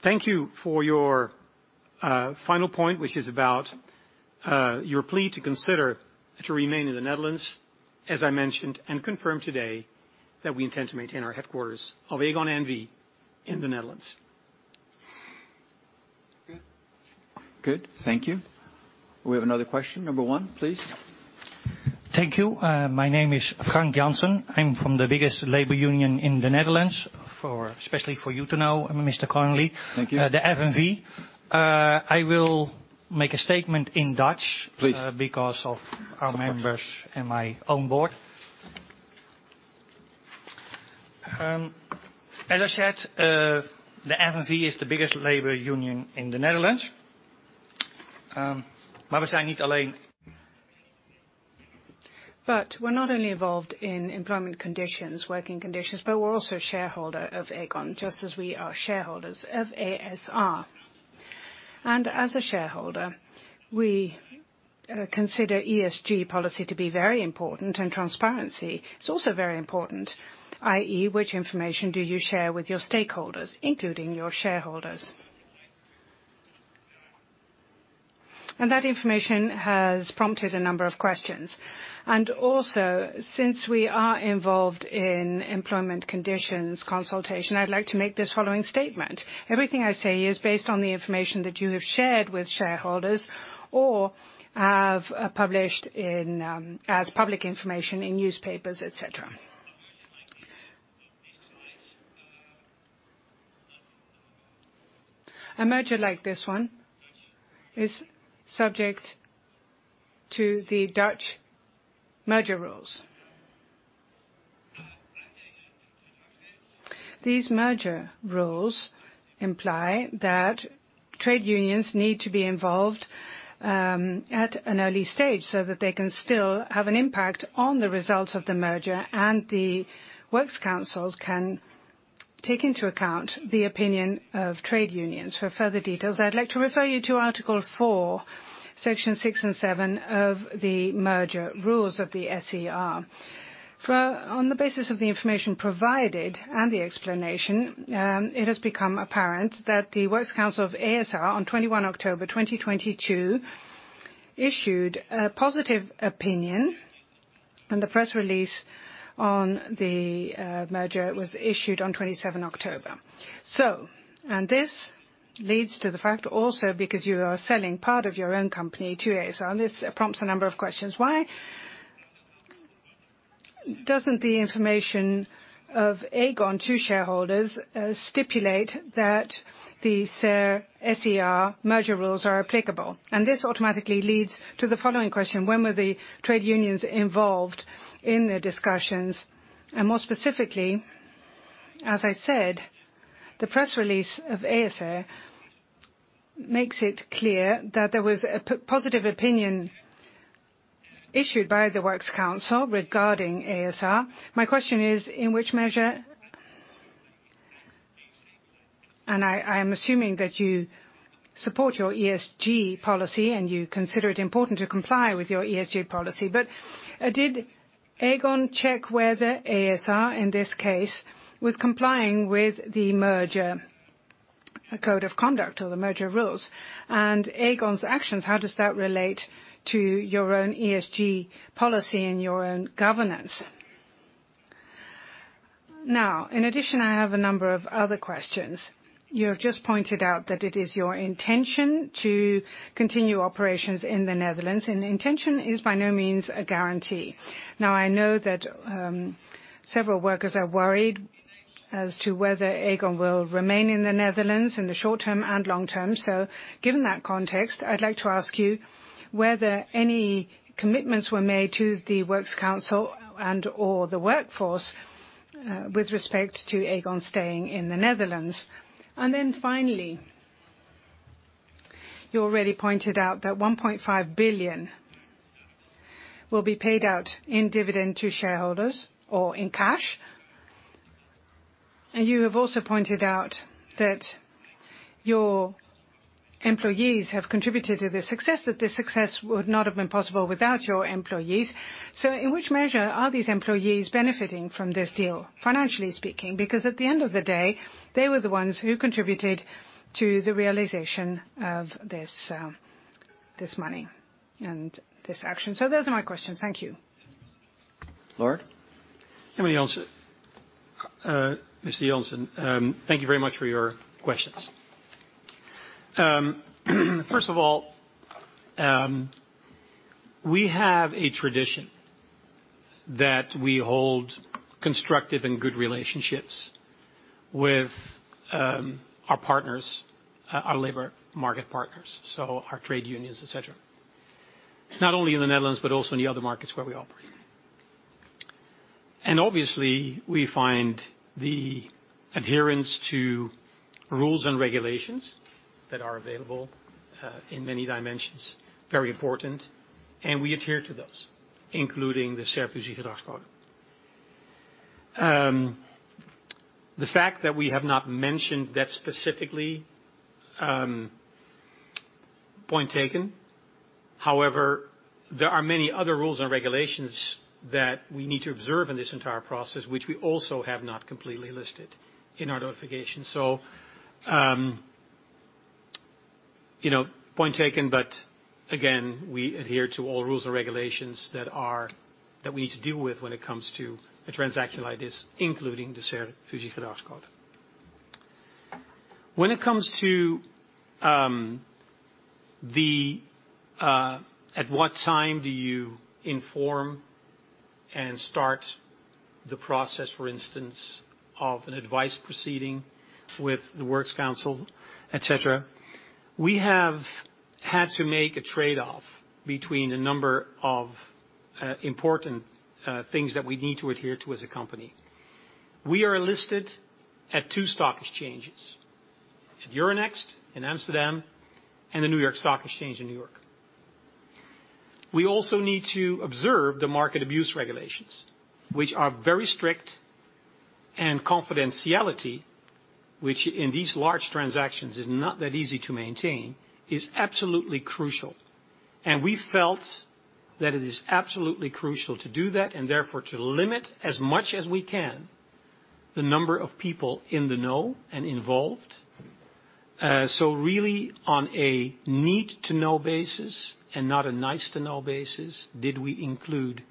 B: Thank you for your final point, which is about your plea to consider to remain in the Netherlands. As I mentioned and confirmed today, that we intend to maintain our headquarters of Aegon N.V. in the Netherlands.
A: Good. Good. Thank you. We have another question. Number 1, please.
G: Thank you. My name is Frank Johnson. I'm from the biggest labor union in the Netherlands especially for you to know, Mr. Connelly.
B: Thank you.
G: The FNV. I will make a statement in Dutch.
B: Please.
G: Because of our members and my own board. As I said, the FNV is the biggest labor union in the Netherlands.
D: We're not only involved in employment conditions, working conditions, but we're also a shareholder of Aegon, just as we are shareholders of a.s.r. As a shareholder, we consider ESG policy to be very important, and transparency is also very important, i.e., which information do you share with your stakeholders, including your shareholders. That information has prompted a number of questions. Also, since we are involved in employment conditions consultation, I'd like to make this following statement. Everything I say is based on the information that you have shared with shareholders or have published in as public information in newspapers, etc. A merger like this one is subject to the Dutch merger rules. These merger rules imply that trade unions need to be involved at an early stage so that they can still have an impact on the results of the merger. The works councils can take into account the opinion of trade unions. For further details, I'd like to refer you to Article 4, Sections six and seven of the merger rules of the SER. On the basis of the information provided and the explanation, it has become apparent that the Works Council of a.s.r. on 21 October 2022 issued a positive opinion. The press release on the merger was issued on 27 October. This leads to the fact also because you are selling part of your own company to a.s.r. This prompts a number of questions. Why doesn't the information of Aegon to shareholders, stipulate that the SER merger rules are applicable? This automatically leads to the following question, when were the trade unions involved in the discussions? More specifically, as I said, the press release of a.s.r. makes it clear that there was a positive opinion issued by the Works Council regarding a.s.r.. My question is, in which measure? I am assuming that you support your ESG policy and you consider it important to comply with your ESG policy. Did Aegon check whether a.s.r., in this case, was complying with the merger, code of conduct or the merger rules? Aegon's actions, how does that relate to your own ESG policy and your own governance? In addition, I have a number of other questions. You have just pointed out that it is your intention to continue operations in the Netherlands, and intention is by no means a guarantee. Now, I know that several workers are worried as to whether Aegon will remain in the Netherlands in the short term and long term. Given that context, I'd like to ask you whether any commitments were made to the Works Council and/or the workforce with respect to Aegon staying in the Netherlands. Finally, you already pointed out that 1.5 billion will be paid out in dividend to shareholders or in cash. You have also pointed out that your employees have contributed to this success, that this success would not have been possible without your employees. In which measure are these employees benefiting from this deal, financially speaking? At the end of the day, they were the ones who contributed to the realization of this money and this action. Those are my questions. Thank you.
A: Lard?
B: Mr. Johnson, thank you very much for your questions. First of all, we have a tradition that we hold constructive and good relationships with our partners, our labor market partners, so our trade unions, etc. It's not only in the Netherlands, but also in the other markets where we operate. Obviously, we find the adherence to rules and regulations that are available in many dimensions very important, and we adhere to those, including the SER Fusiegedragsregels. The fact that we have not mentioned that specifically, point taken. However, there are many other rules and regulations that we need to observe in this entire process which we also have not completely listed in our notification. You know, point taken, but again, we adhere to all rules and regulations that we need to deal with when it comes to a transaction like this, including the SER Fusiegedragsregels. When it comes to the at what time do you inform and start the process, for instance, of an advice proceeding with the Works Council, etc. We have had to make a trade-off between a number of important things that we need to adhere to as a company. We are listed at two stock exchanges, at Euronext in Amsterdam and the New York Stock Exchange in New York. We also need to observe the market abuse regulations, which are very strict and confidentiality, which in these large transactions is not that easy to maintain, is absolutely crucial. We felt that it is absolutely crucial to do that and therefore to limit as much as we can the number of people in the know and involved. So really on a need to know basis and not a nice to know basis, did we include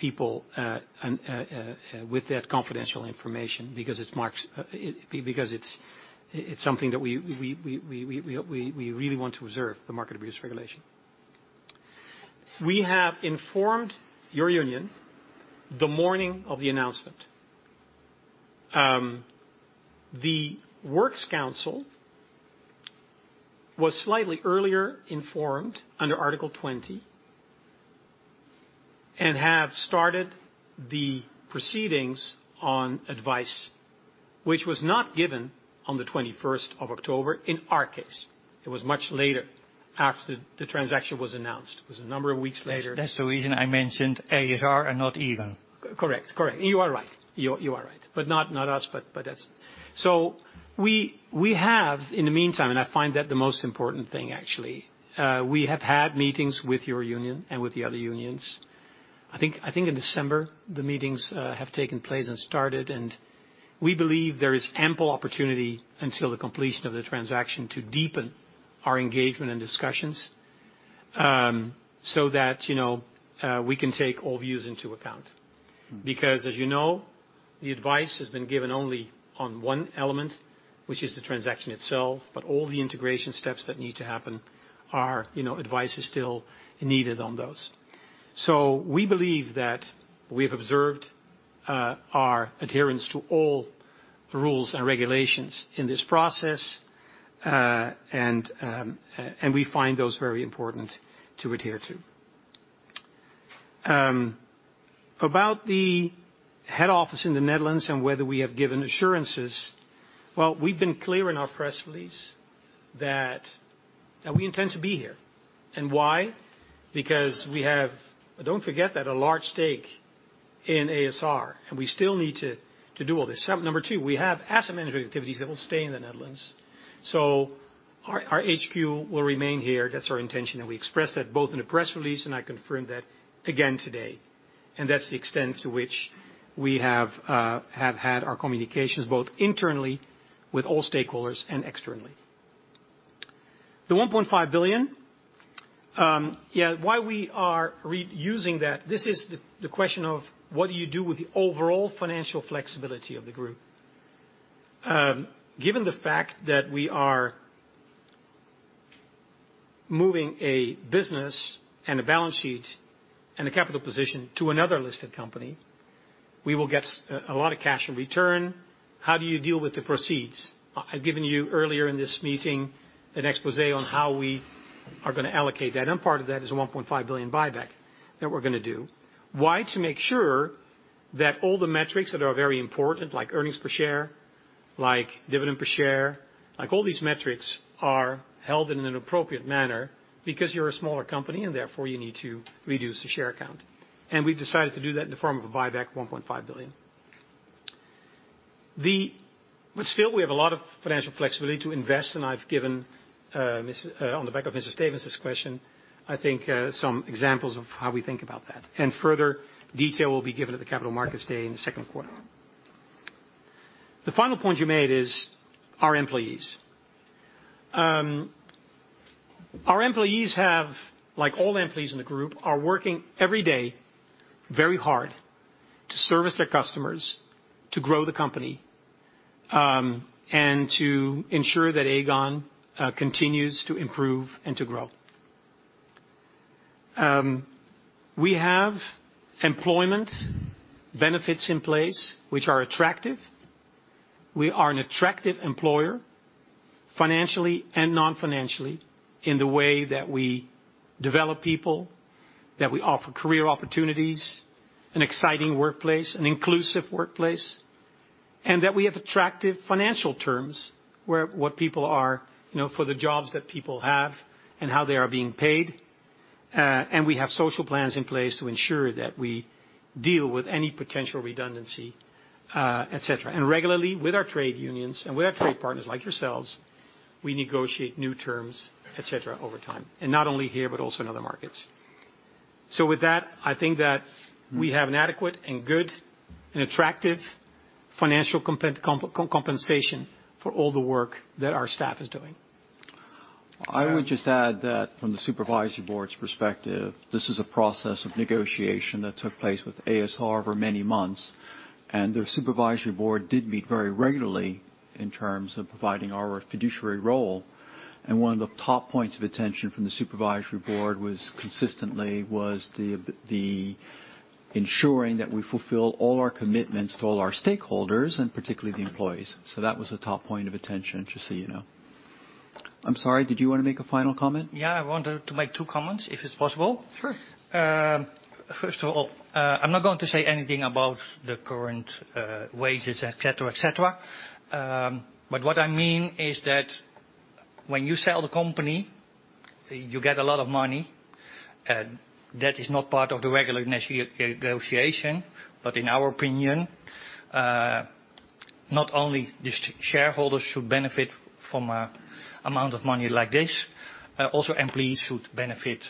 B: people with that confidential information. Because it's something that we really want to observe the Market Abuse Regulation. We have informed your union the morning of the announcement. The Works Council was slightly earlier informed under Article 20 and have started the proceedings on advice which was not given on the 21st of October in our case. It was much later after the transaction was announced. It was a number of weeks later.
G: That's the reason I mentioned a.s.r. and not Aegon.
B: Correct. Correct. You are right. You are right. Not us, but that's... We have in the meantime, and I find that the most important thing actually, we have had meetings with your union and with the other unions. I think in December, the meetings have taken place and started, and we believe there is ample opportunity until the completion of the transaction to deepen our engagement and discussions, so that, you know, we can take all views into account.
A: Mm-hmm.
B: As you know, the advice has been given only on one element, which is the transaction itself, but all the integration steps that need to happen are, you know, advice is still needed on those. We believe that we have observed our adherence to all rules and regulations in this process. We find those very important to adhere to. About the head office in the Netherlands and whether we have given assurances, well, we've been clear in our press release that we intend to be here. Why? Because we don't forget that a large stake in a.s.r., and we still need to do all this. Number two, we have asset management activities that will stay in the Netherlands. Our, our HQ will remain here. That's our intention, we expressed that both in a press release, and I confirmed that again today. That's the extent to which we have had our communications, both internally with all stakeholders and externally. The 1.5 billion, why we are re-using that, this is the question of what do you do with the overall financial flexibility of the group? Given the fact that we are moving a business and a balance sheet and a capital position to another listed company, we will get a lot of cash in return. How do you deal with the proceeds? I've given you earlier in this meeting an exposé on how we are gonna allocate that, and part of that is the 1.5 billion buyback that we're gonna do. Why? To make sure that all the metrics that are very important, like earnings per share, like dividend per share, like all these metrics are held in an appropriate manner because you're a smaller company and therefore you need to reduce the share count. We've decided to do that in the form of a buyback, 1.5 billion. But still, we have a lot of financial flexibility to invest, and I've given this on the back of Mr. Stevens's question, I think, some examples of how we think about that. Further detail will be given at the Capital Markets Day in the second quarter. The final point you made is our employees. Our employees have, like all employees in the group, are working every day very hard to service their customers, to grow the company, and to ensure that Aegon continues to improve and to grow. We have employment benefits in place which are attractive. We are an attractive employer, financially and non-financially, in the way that we develop people, that we offer career opportunities, an exciting workplace, an inclusive workplace, and that we have attractive financial terms where what people are, you know, for the jobs that people have and how they are being paid, and we have social plans in place to ensure that we deal with any potential redundancy, et cetera. Regularly with our trade unions and with our trade partners like yourselves, we negotiate new terms, et cetera, over time, and not only here, but also in other markets. With that, I think that we have an adequate and good and attractive financial compensation for all the work that our staff is doing.
A: I would just add that from the supervisory board's perspective, this is a process of negotiation that took place with a.s.r. for many months, and their supervisory board did meet very regularly in terms of providing our fiduciary role. One of the top points of attention from the supervisory board was consistently the ensuring that we fulfill all our commitments to all our stakeholders and particularly the employees. That was a top point of attention, just so you know. I'm sorry, did you want to make a final comment?
G: Yeah, I wanted to make two comments, if it's possible.
A: Sure.
G: First of all, I'm not going to say anything about the current wages, etc, etc. What I mean is that when you sell the company, you get a lot of money. That is not part of the regular negotiation. In our opinion, not only the shareholders should benefit from a amount of money like this, also employees should benefit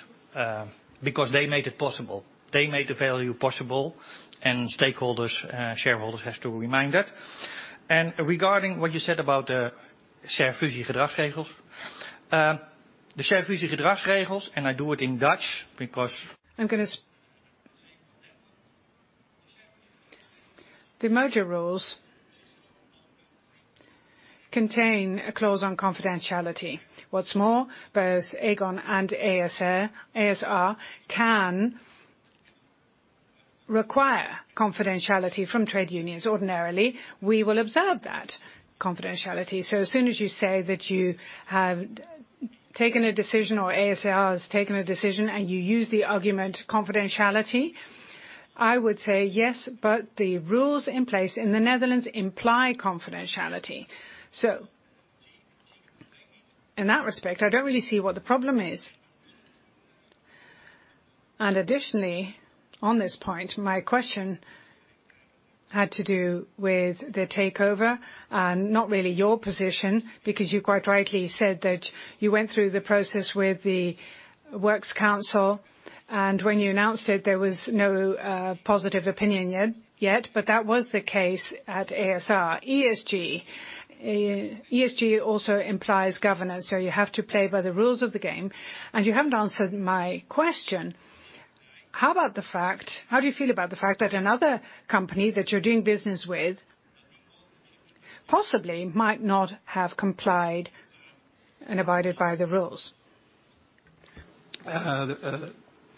G: because they made it possible. They made the value possible, and stakeholders, shareholders have to remind that. Regarding what you said about the SER Fusiegedragsregels. The SER Fusiegedragsregels, I do it in Dutch because-
D: The merger rules contain a clause on confidentiality. Both Aegon and a.s.r. can require confidentiality from trade unions. Ordinarily, we will observe that confidentiality. As soon as you say that you have taken a decision or a.s.r. has taken a decision and you use the argument confidentiality, I would say yes, the rules in place in the Netherlands imply confidentiality. In that respect, I don't really see what the problem is. Additionally, on this point, my question had to do with the takeover and not really your position, because you quite rightly said that you went through the process with the works council, and when you announced it, there was no positive opinion yet, that was the case at a.s.r.. ESG also implies governance, you have to play by the rules of the game. You haven't answered my question. How do you feel about the fact that another company that you're doing business with possibly might not have complied and abided by the rules?
B: The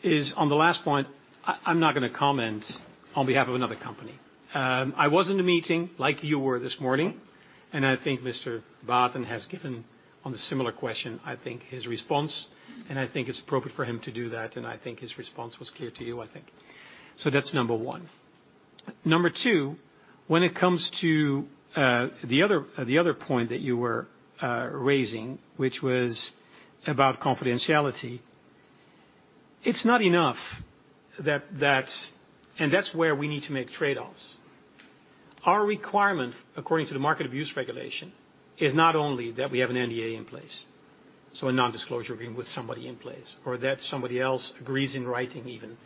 B: is on the last point, I'm not gonna comment on behalf of another company. I was in the meeting like you were this morning, and I think Mr. Baaten has given on the similar question, I think his response, and I think it's appropriate for him to do that, and I think his response was clear to you, I think. That's number one. Number two, when it comes to the other point that you were raising, which was about confidentiality. It's not enough that that's... That's where we need to make trade-offs. Our requirement, according to the Market Abuse Regulation, is not only that we have an NDA in place, so a non-disclosure agreement with somebody in place, or that somebody else agrees in writing even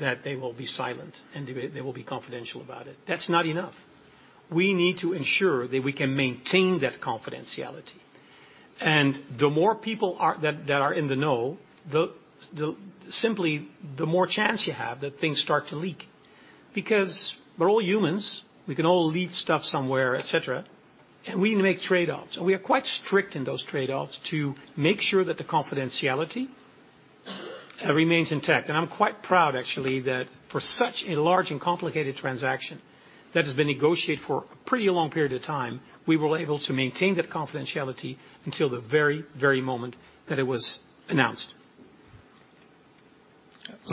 B: that they will be silent and they will be confidential about it. That's not enough. We need to ensure that we can maintain that confidentiality. The more people that are in the know, the simply, the more chance you have that things start to leak. We're all humans, we can all leak stuff somewhere, etc, and we need to make trade-offs. We are quite strict in those trade-offs to make sure that the confidentiality remains intact. I'm quite proud actually that for such a large and complicated transaction that has been negotiated for a pretty long period of time, we were able to maintain that confidentiality until the very moment that it was announced.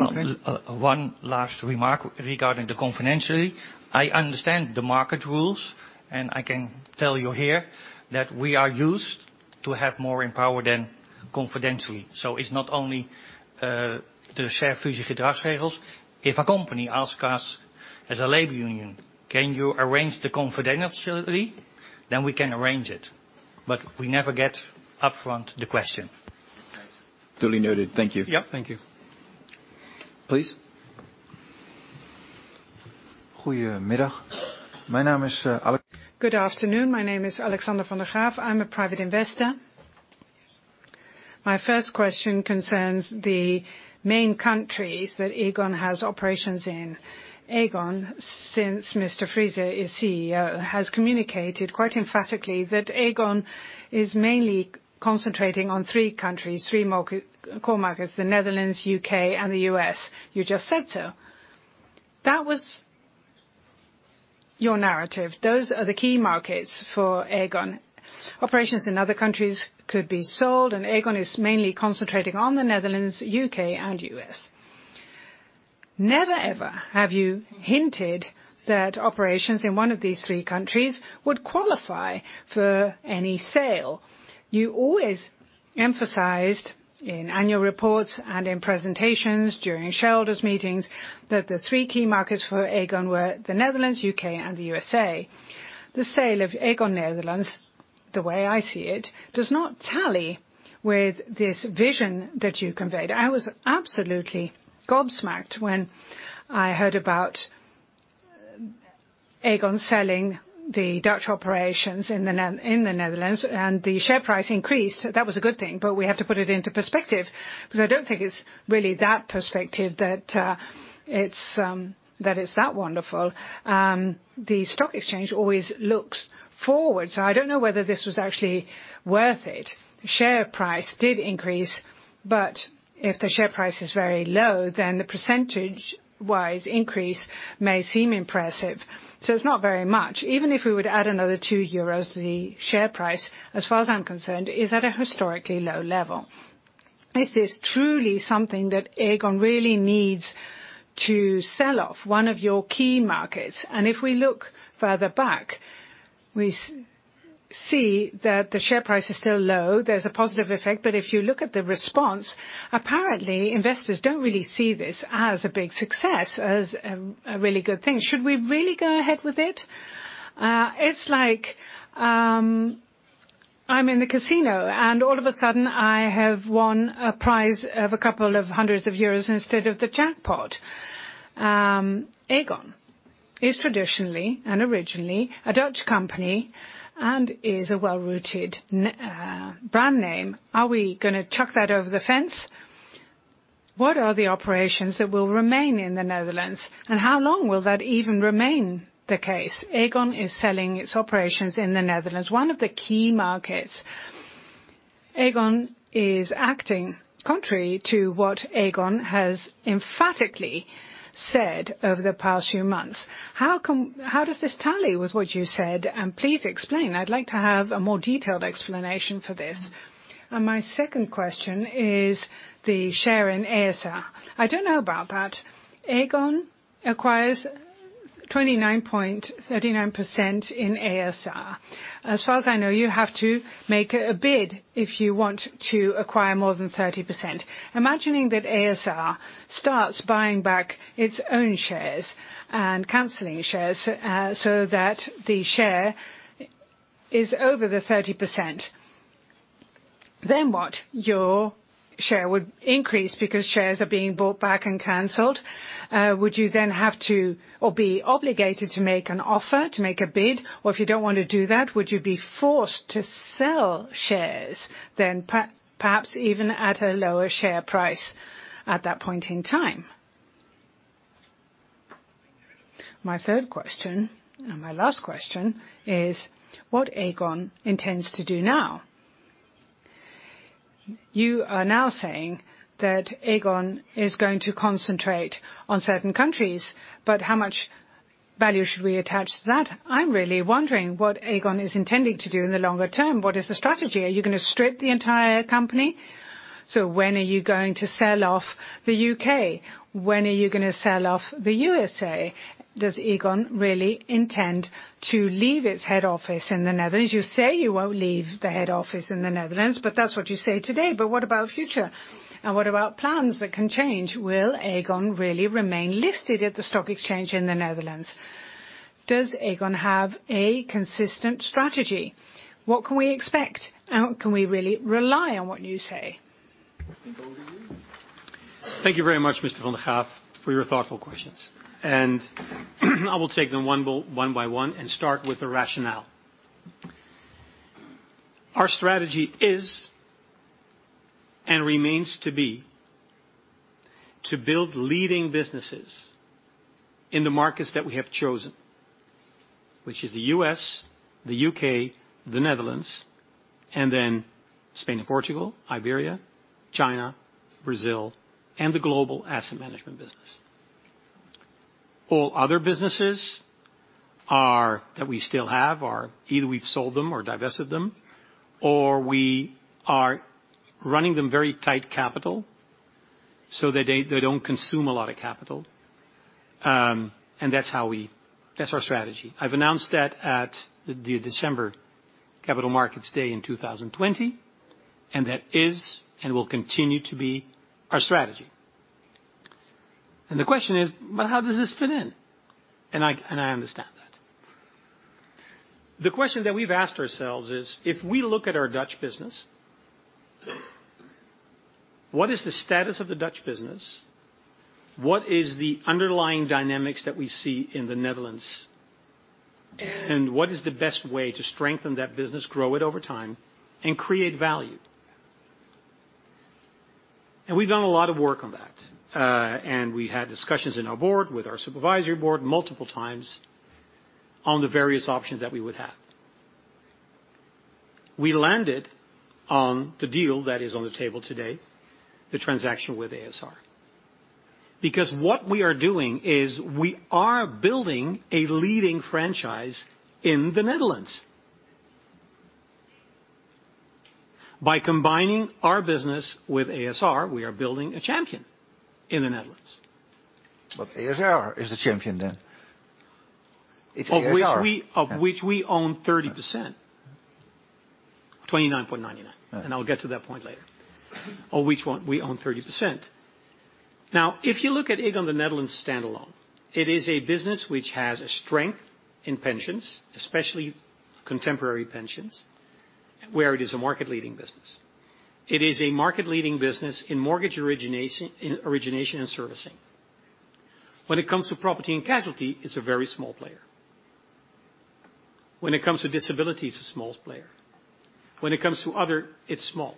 G: Okay. One last remark regarding the confidentiality. I understand the market rules, and I can tell you here that we are used to have more in power than confidentiality. It's not only the SER Fusiegedragsregels. If a company asks us as a labor union, "Can you arrange the confidentiality?" We can arrange it, but we never get upfront the question.
B: Duly noted. Thank you.
G: Yeah. Thank you.
B: Please.
D: Good afternoon. My name is Alexander van der Graaf. I'm a private investor. My first question concerns the main countries that Aegon has operations in. Aegon, since Mr. Friese is CEO, has communicated quite emphatically that Aegon is mainly concentrating on three countries, three market-- core markets, the Netherlands, U.K., and the U.S. You just said so. That was your narrative. Those are the key markets for Aegon. Operations in other countries could be sold. Aegon is mainly concentrating on the Netherlands, U.K., and U.S. Never, ever have you hinted that operations in one of these three countries would qualify for any sale. You always emphasized in annual reports and in presentations during shareholders' meetings that the three key markets for Aegon were the Netherlands, U.K, and the USA. The sale of Aegon Nederland, the way I see it, does not tally with this vision that you conveyed. I was absolutely gobsmacked when I heard about Aegon selling the Dutch operations in the Netherlands, and the share price increased. That was a good thing, but we have to put it into perspective because I don't think it's really that perspective that it's that wonderful. The stock exchange always looks forward. I don't know whether this was actually worth it. The share price did increase, but if the share price is very low, then the percentage wise increase may seem impressive. It's not very much. Even if we would add another 2 euros, the share price, as far as I'm concerned, is at a historically low level. Is this truly something that Aegon really needs to sell off one of your key markets? If we look further back, we see that the share price is still low. There's a positive effect. If you look at the response, apparently investors don't really see this as a big success, a really good thing. Should we really go ahead with it? It's like I'm in the casino and all of a sudden I have won a prize of EUR 200 instead of the jackpot. Aegon is traditionally and originally a Dutch company and is a well-rooted brand name. Are we gonna chuck that over the fence? What are the operations that will remain in the Netherlands, and how long will that even remain the case? Aegon is selling its operations in the Netherlands, one of the key markets. Aegon is acting contrary to what Aegon has emphatically said over the past few months. How does this tally with what you said? Please explain. I'd like to have a more detailed explanation for this. My second question is the share in a.s.r. I don't know about that. Aegon acquires 29.39% in a.s.r. As far as I know, you have to make a bid if you want to acquire more than 30%. Imagining that a.s.r. starts buying back its own shares and canceling shares, so that the share is over the 30%, then what? Your share would increase because shares are being bought back and canceled. Would you then have to or be obligated to make an offer to make a bid? If you don't want to do that, would you be forced to sell shares then perhaps even at a lower share price at that point in time? My third question, and my last question is, what Aegon intends to do now? You are now saying that Aegon is going to concentrate on certain countries, how much value should we attach to that? I'm really wondering what Aegon is intending to do in the longer term. What is the strategy? Are you gonna strip the entire company? When are you going to sell off the U.K.? When are you gonna sell off the U.S.A.? Does Aegon really intend to leave its head office in the Netherlands? You say you won't leave the head office in the Netherlands, that's what you say today. What about future? What about plans that can change? Will Aegon really remain listed at the stock exchange in the Netherlands? Does Aegon have a consistent strategy? What can we expect, can we really rely on what you say?
H: Over to you.
B: Thank you very much, Mr. Van der Graaf, for your thoughtful questions. I will take them one by one and start with the rationale. Our strategy is and remains to be, to build leading businesses in the markets that we have chosen, which is the US, the UK, the Netherlands, and then Spain and Portugal, Iberia, China, Brazil, and the global asset management business. All other businesses that we still have are, either we've sold them or divested them, or we are running them very tight capital, so they don't consume a lot of capital. That's our strategy. I've announced that at the December Capital Markets Day in 2020, and that is, and will continue to be our strategy. The question is, but how does this fit in? I understand that. The question that we've asked ourselves is, if we look at our Dutch business, what is the status of the Dutch business? What is the underlying dynamics that we see in the Netherlands? And what is the best way to strengthen that business, grow it over time, and create value? And we've done a lot of work on that. And we had discussions in our board, with our supervisor board multiple times on the various options that we would have. We landed on the deal that is on the table today, the transaction with a.s.r. Because what we are doing is we are building a leading franchise in the Netherlands. By combining our business with a.s.r., we are building a champion in the Netherlands.
I: a.s.r. is a champion then. It's a.s.r.
B: Of which we own 30%. 29.99.
I: Right.
B: I'll get to that point later. Of which one we own 30%. If you look at Aegon Nederland stand alone, it is a business which has a strength in pensions, especially contemporary pensions, where it is a market-leading business. It is a market-leading business in mortgage origination, in origination and servicing. When it comes to property and casualty, it's a very small player. When it comes to disability, it's the smallest player. When it comes to other, it's small.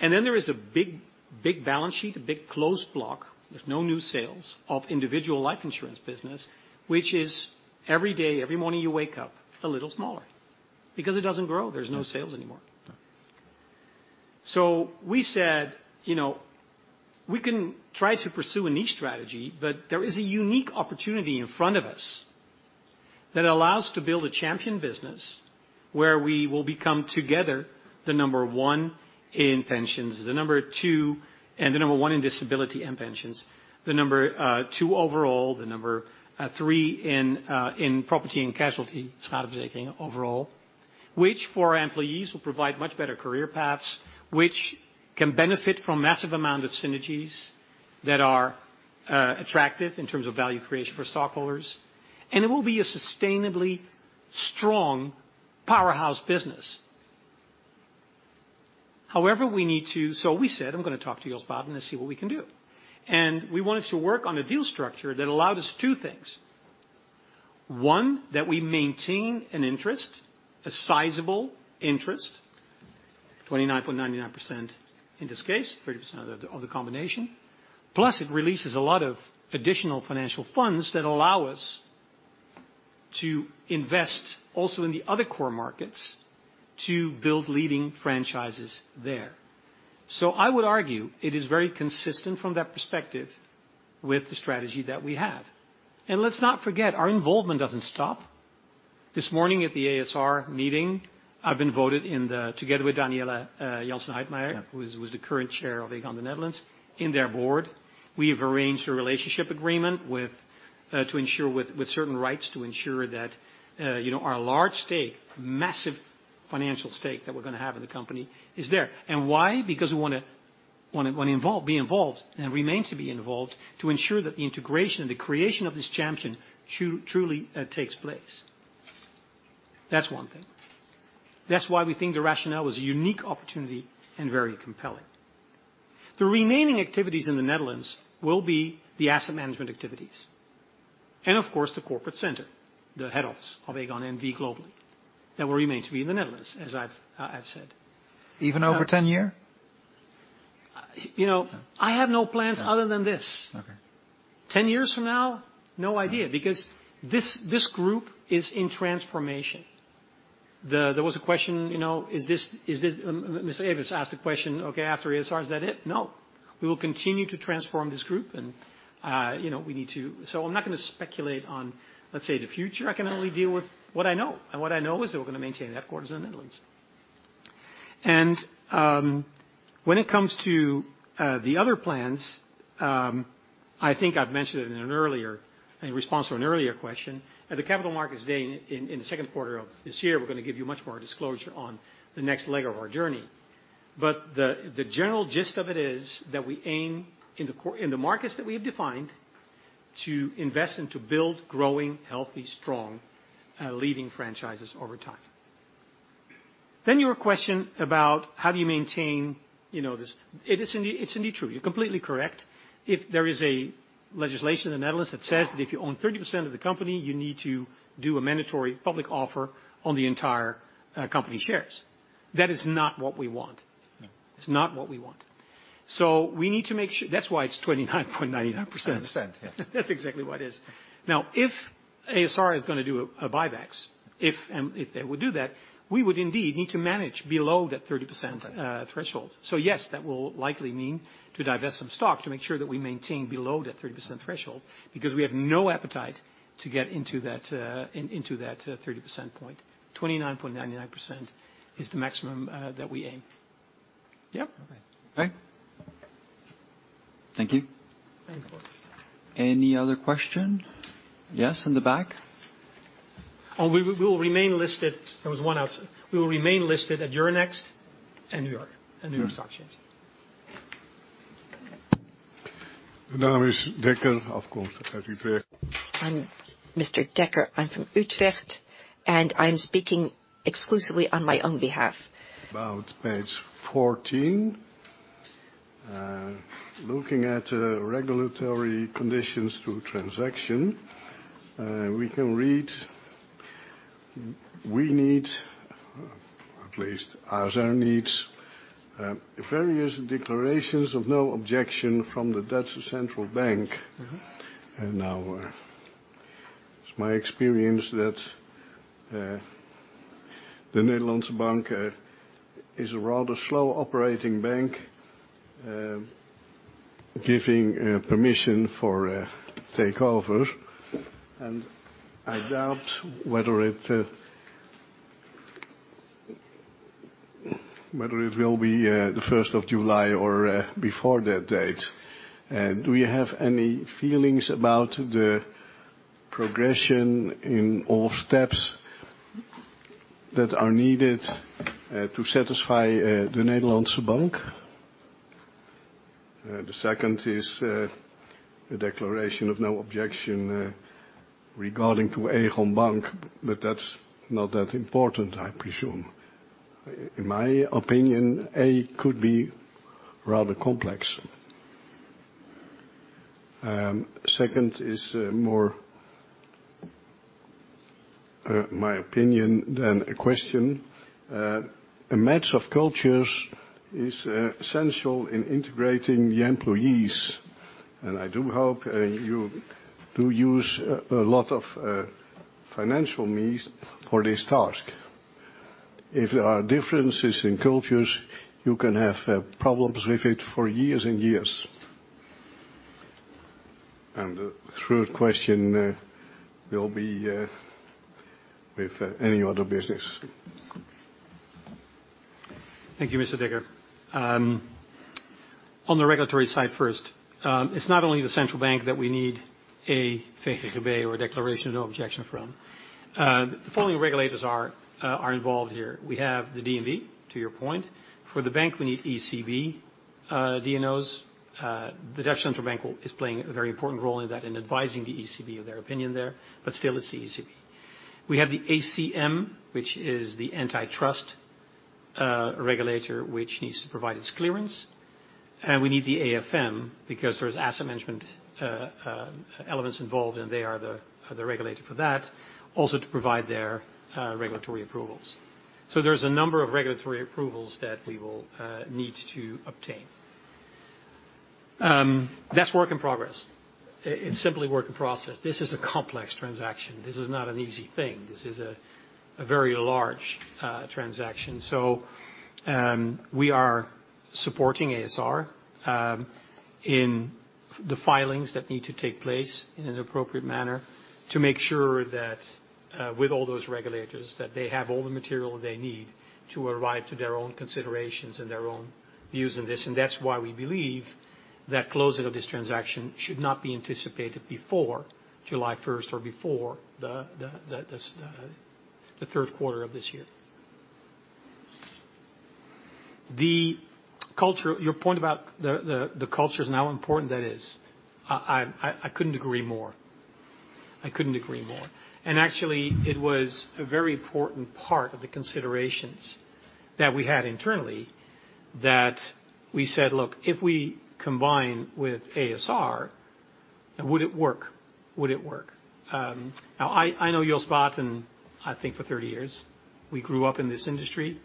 B: Then there is a big, big balance sheet, a big closed block with no new sales of individual life insurance business, which is every day, every morning you wake up a little smaller because it doesn't grow. There's no sales anymore.
I: No.
B: We said, you know, we can try to pursue a niche strategy, but there is a unique opportunity in front of us that allows to build a champion business where we will become together, the number one in pensions, the number one in disability and pensions. The number two overall, the number three in property and casualty, overall. Which for our employees will provide much better career paths, which can benefit from massive amount of synergies that are attractive in terms of value creation for stockholders. It will be a sustainably strong powerhouse business. We said, "I'm gonna talk to Jos Baartman and see what we can do." We wanted to work on a deal structure that allowed us two things. One, that we maintain an interest, a sizable interest, 29.99% in this case, 30% of the combination. It releases a lot of additional financial funds that allow us to invest also in the other core markets to build leading franchises there. I would argue it is very consistent from that perspective with the strategy that we have. Let's not forget, our involvement doesn't stop. This morning at the a.s.r. meeting, I've been voted in together with Daniëlle Jansen Heijtmajer, who is the current chair of Aegon Nederland, in their board. We have arranged a relationship agreement with certain rights to ensure that, you know, our large stake, massive financial stake that we're gonna have in the company is there. Why? We wanna be involved and remain to be involved to ensure that the integration, the creation of this champion truly takes place. That's one thing. That's why we think the rationale is a unique opportunity and very compelling. The remaining activities in the Netherlands will be the asset management activities, and of course, the corporate center, the head office of Aegon N.V. globally, that will remain to be in the Netherlands, as I've said.
I: Even over 10 year?
B: You know, I have no plans other than this.
I: Okay.
B: 10 years from now, no idea. This group is in transformation. There was a question, you know, is this Mr. Davis asked a question, okay, after a.s.r., is that it? No. We will continue to transform this group and, you know, we need to. I'm not gonna speculate on, let's say, the future. I can only deal with what I know. What I know is that we're gonna maintain the headquarters in the Netherlands. When it comes to the other plans, I think I've mentioned it in response to an earlier question. At the Capital Markets Day in the 2nd quarter of this year, we're gonna give you much more disclosure on the next leg of our journey. The general gist of it is that we aim in the markets that we have defined to invest and to build growing, healthy, strong, leading franchises over time. Your question about how do you maintain, you know, this. It is indeed true. You're completely correct. If there is a legislation in the Netherlands that says that if you own 30% of the company, you need to do a mandatory public offer on the entire company shares. That is not what we want.
I: Mm-hmm.
B: It's not what we want. We need to make su... That's why it's 29.99%.
I: Yes.
B: That's exactly what it is. if a.s.r. is gonna do a buybacks, if they would do that, we would indeed need to manage below that 30%-
I: Right.
B: -threshold. Yes, that will likely mean to divest some stock to make sure that we maintain below that 30% threshold, because we have no appetite to get into that, into that, 30% point. 29.99% is the maximum, that we aim. Yep.
I: Okay. Great. Thank you.
B: Thank you.
H: Any other question? Yes, in the back.
B: We will remain listed at Euronext and New York, and New York Stock Exchange.
D: I'm Mr. Dekker. I'm from Utrecht, and I'm speaking exclusively on my own behalf.
C: About page 14. Looking at regulatory conditions to transaction, we can read, "We need, at least a.s.r. needs, various declarations of no objection from the Dutch Central Bank.
B: Mm-hmm.
C: Now, it's my experience that the Nederlandsche Bank is a rather slow operating bank, giving permission for takeovers. I doubt whether it, whether it will be the 1st of July or before that date. Do you have any feelings about the progression in all steps that are needed to satisfy the Nederlandsche Bank? The second is the declaration of no objection regarding to ABN Bank, but that's not that important, I presume. In my opinion, a ) could be rather complex. Second is more my opinion than a question. A match of cultures is essential in integrating the employees, and I do hope you do use a lot of financial means for this task. If there are differences in cultures, you can have, problems with it for years and years. The third question, will be, with any other business.
B: Thank you, Mr. Dekker. On the regulatory side first, it's not only the central bank that we need a or a declaration of no objection from. The following regulators are involved here. We have the DNB, to your point. For the bank, we need ECB DNOs. The Dutch Central Bank is playing a very important role in that, in advising the ECB of their opinion there, but still it's ECB. We have the ACM, which is the antitrust regulator, which needs to provide its clearance, and we need the AFM because there's asset management elements involved, and they are the regulator for that, also to provide their regulatory approvals. There's a number of regulatory approvals that we will need to obtain. That's work in progress. It's simply work in process. This is a complex transaction. This is not an easy thing. This is a very large transaction. We are supporting a.s.r. in the filings that need to take place in an appropriate manner to make sure that with all those regulators, that they have all the material they need to arrive to their own considerations and their own views in this. That's why we believe that closing of this transaction should not be anticipated before July first or before the third quarter of this year. Your point about the cultures and how important that is, I couldn't agree more. I couldn't agree more. Actually, it was a very important part of the considerations that we had internally, that we said, "Look, if we combine with a.s.r. Would it work? Would it work? Now I know Jos Baeten, I think for 30 years. We grew up in this industry,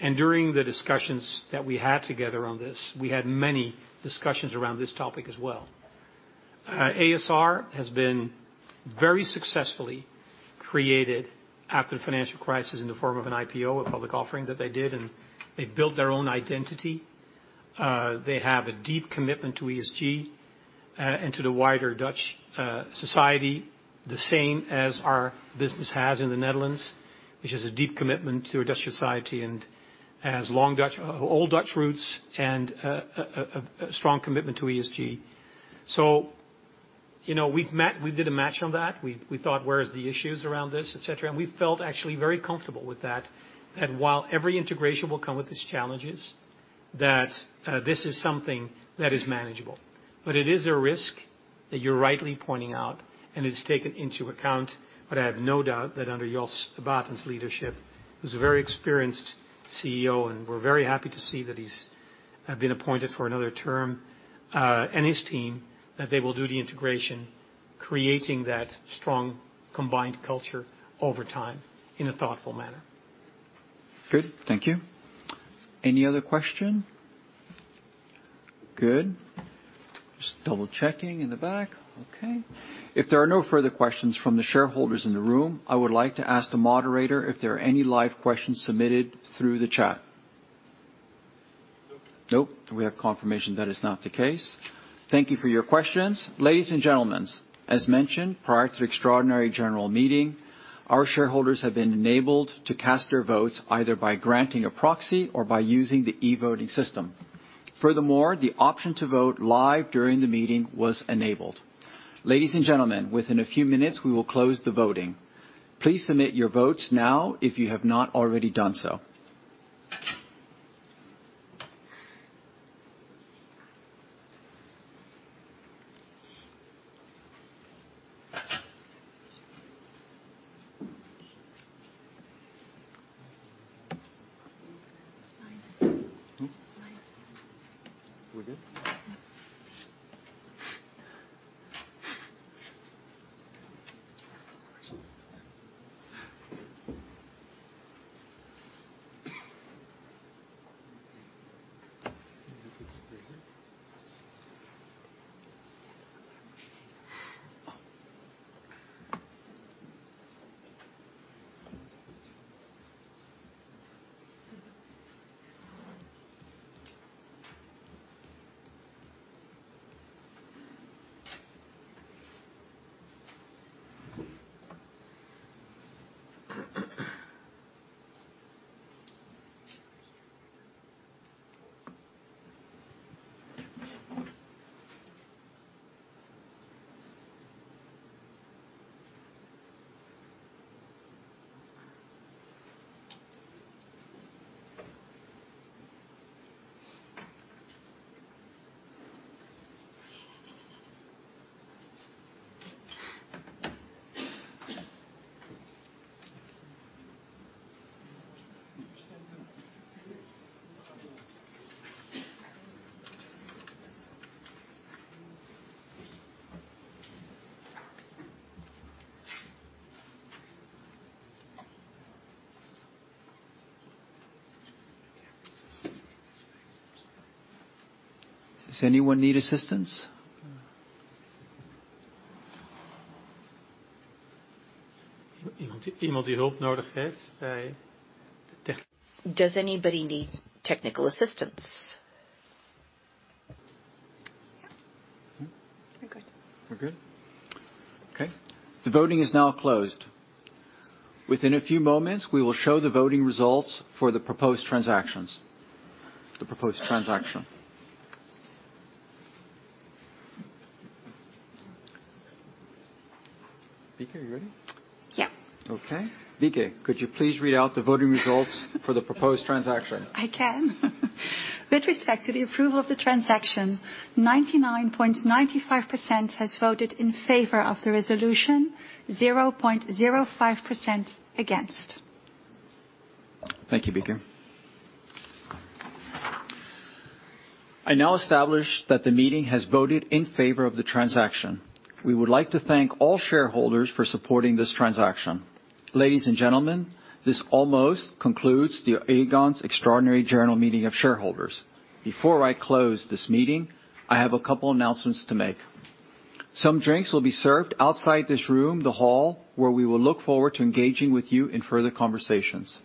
B: and during the discussions that we had together on this, we had many discussions around this topic as well. a.s.r. has been very successfully created after the financial crisis in the form of an IPO, a public offering that they did, and they built their own identity. They have a deep commitment to ESG, and to the wider Dutch society, the same as our business has in the Netherlands, which is a deep commitment to Dutch society and has long Dutch old Dutch roots and a strong commitment to ESG. You know, we did a match on that. We thought, "Where is the issues around this," et cetera. We felt actually very comfortable with that. That while every integration will come with its challenges, that this is something that is manageable. It is a risk that you're rightly pointing out, and it is taken into account. I have no doubt that under Jos Baeten's leadership, who's a very experienced CEO, and we're very happy to see that he's been appointed for another term, and his team, that they will do the integration, creating that strong combined culture over time in a thoughtful manner. Good. Thank you. Any other question? Good. Just double-checking in the back. Okay. If there are no further questions from the shareholders in the room, I would like to ask the moderator if there are any live questions submitted through the chat.
H: Nope.
A: Nope. We have confirmation that is not the case. Thank you for your questions. Ladies and gentlemen, as mentioned, prior to extraordinary general meeting, our shareholders have been enabled to cast their votes either by granting a proxy or by using the e-voting system. Furthermore, the option to vote live during the meeting was enabled. Ladies and gentlemen, within a few minutes, we will close the voting. Please submit your votes now if you have not already done so. Does anyone need assistance?
D: Does anybody need technical assistance?
H: Yeah.
A: Hmm?
D: We're good.
A: We're good? Okay. The voting is now closed. Within a few moments, we will show the voting results for the proposed transactions. The proposed transaction. Vike, are you ready?
J: Yeah.
A: Okay. Vike, could you please read out the voting results for the proposed transaction?
J: I can. With respect to the approval of the transaction, 99.95% has voted in favor of the resolution, 0.05% against.
A: Thank you, Vike. I now establish that the meeting has voted in favor of the transaction. We would like to thank all shareholders for supporting this transaction. Ladies and gentlemen, this almost concludes the Aegon's extraordinary general meeting of shareholders. Before I close this meeting, I have a couple announcements to make. Some drinks will be served outside this room, the hall, where we will look forward to engaging with you in further conversations.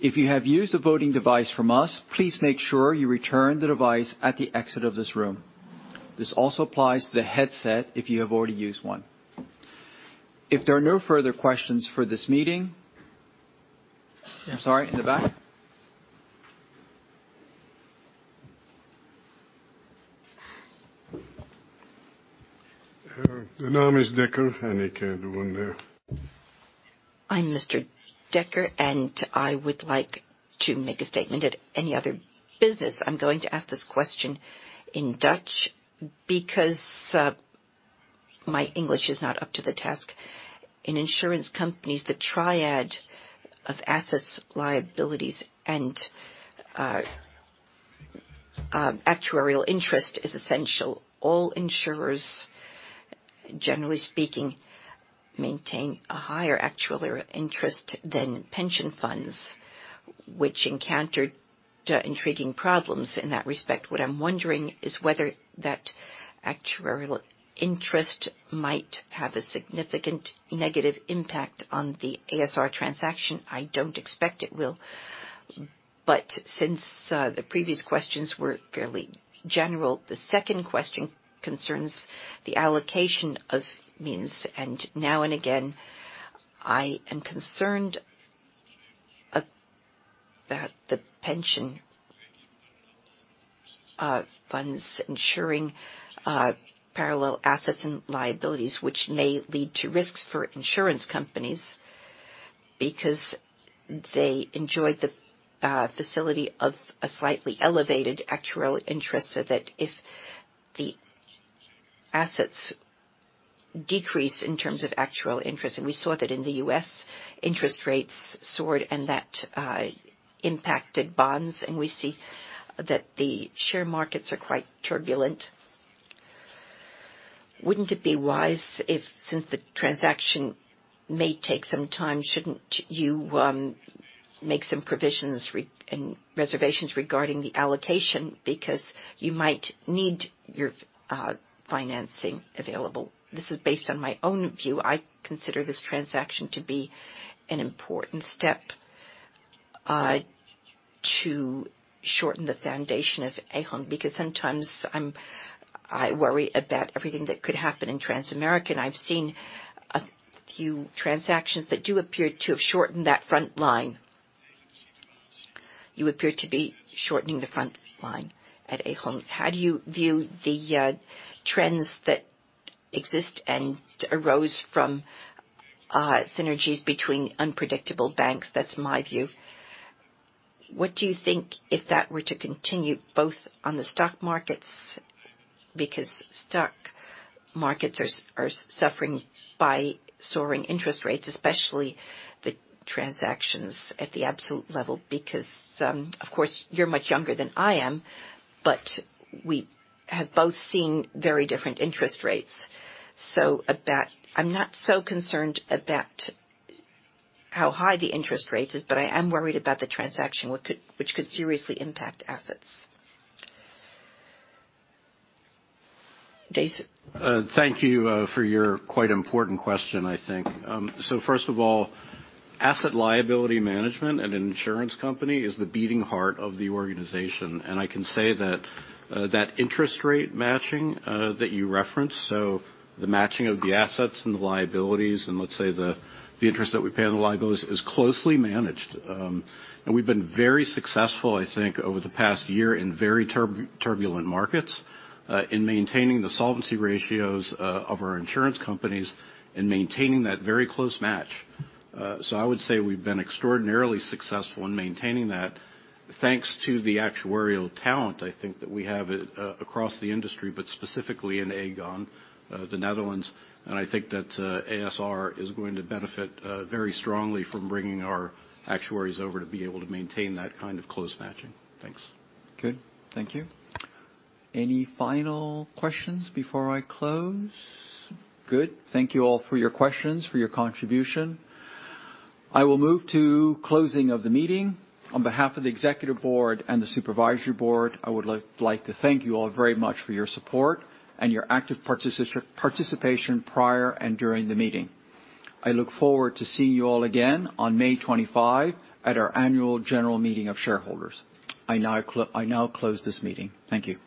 A: If you have used a voting device from us, please make sure you return the device at the exit of this room. This also applies to the headset if you have already used one. If there are no further questions for this meeting... I'm sorry, in the back?
D: I'm Mr. Dekker, and I would like to make a statement at any other business. I'm going to ask this question in Dutch because my English is not up to the task. In insurance companies, the triad of assets, liabilities, and. Actuarial interest is essential. All insurers, generally speaking, maintain a higher actuarial interest than pension funds which encountered intriguing problems in that respect. What I'm wondering is whether that actuarial interest might have a significant negative impact on the a.s.r. transaction. I don't expect it will. Since the previous questions were fairly general, the second question concerns the allocation of means. Now and again, I am concerned about the pension funds ensuring parallel assets and liabilities which may lead to risks for insurance companies because they enjoy the facility of a slightly elevated actuarial interest, so that if the assets decrease in terms of actual interest. We saw that in the U.S., interest rates soared, and that impacted bonds. We see that the share markets are quite turbulent. Wouldn't it be wise if, since the transaction may take some time, shouldn't you make some provisions in reservations regarding the allocation because you might need your financing available? This is based on my own view. I consider this transaction to be an important step to shorten the foundation of Aegon, because sometimes I worry about everything that could happen in Transamerica, and I've seen a few transactions that do appear to have shortened that front line. You appear to be shortening the front line at Aegon. How do you view the trends that exist and arose from synergies between unpredictable banks? That's my view. What do you think if that were to continue both on the stock markets, because stock markets are suffering by soaring interest rates, especially the transactions at the absolute level because... Of course, you're much younger than I am, but we have both seen very different interest rates. I'm not so concerned about how high the interest rate is, but I am worried about the transaction which could seriously impact assets. Jason?
E: Thank you for your quite important question, I think. First of all, asset liability management at an insurance company is the beating heart of the organization. I can say that interest rate matching that you referenced, so the matching of the assets and the liabilities, and let's say the interest that we pay on the liabos is closely managed. We've been very successful, I think, over the past year in very turbulent markets in maintaining the solvency ratios of our insurance companies and maintaining that very close match. I would say we've been extraordinarily successful in maintaining that thanks to the actuarial talent, I think, that we have across the industry, but specifically in Aegon the Netherlands. I think that, a.s.r. is going to benefit, very strongly from bringing our actuaries over to be able to maintain that kind of close matching. Thanks.
A: Good. Thank you. Any final questions before I close? Good. Thank you all for your questions, for your contribution. I will move to closing of the meeting. On behalf of the executive board and the supervisory board, I would like to thank you all very much for your support and your active participation prior and during the meeting. I look forward to seeing you all again on May 25 at our annual general meeting of shareholders. I now close this meeting. Thank you.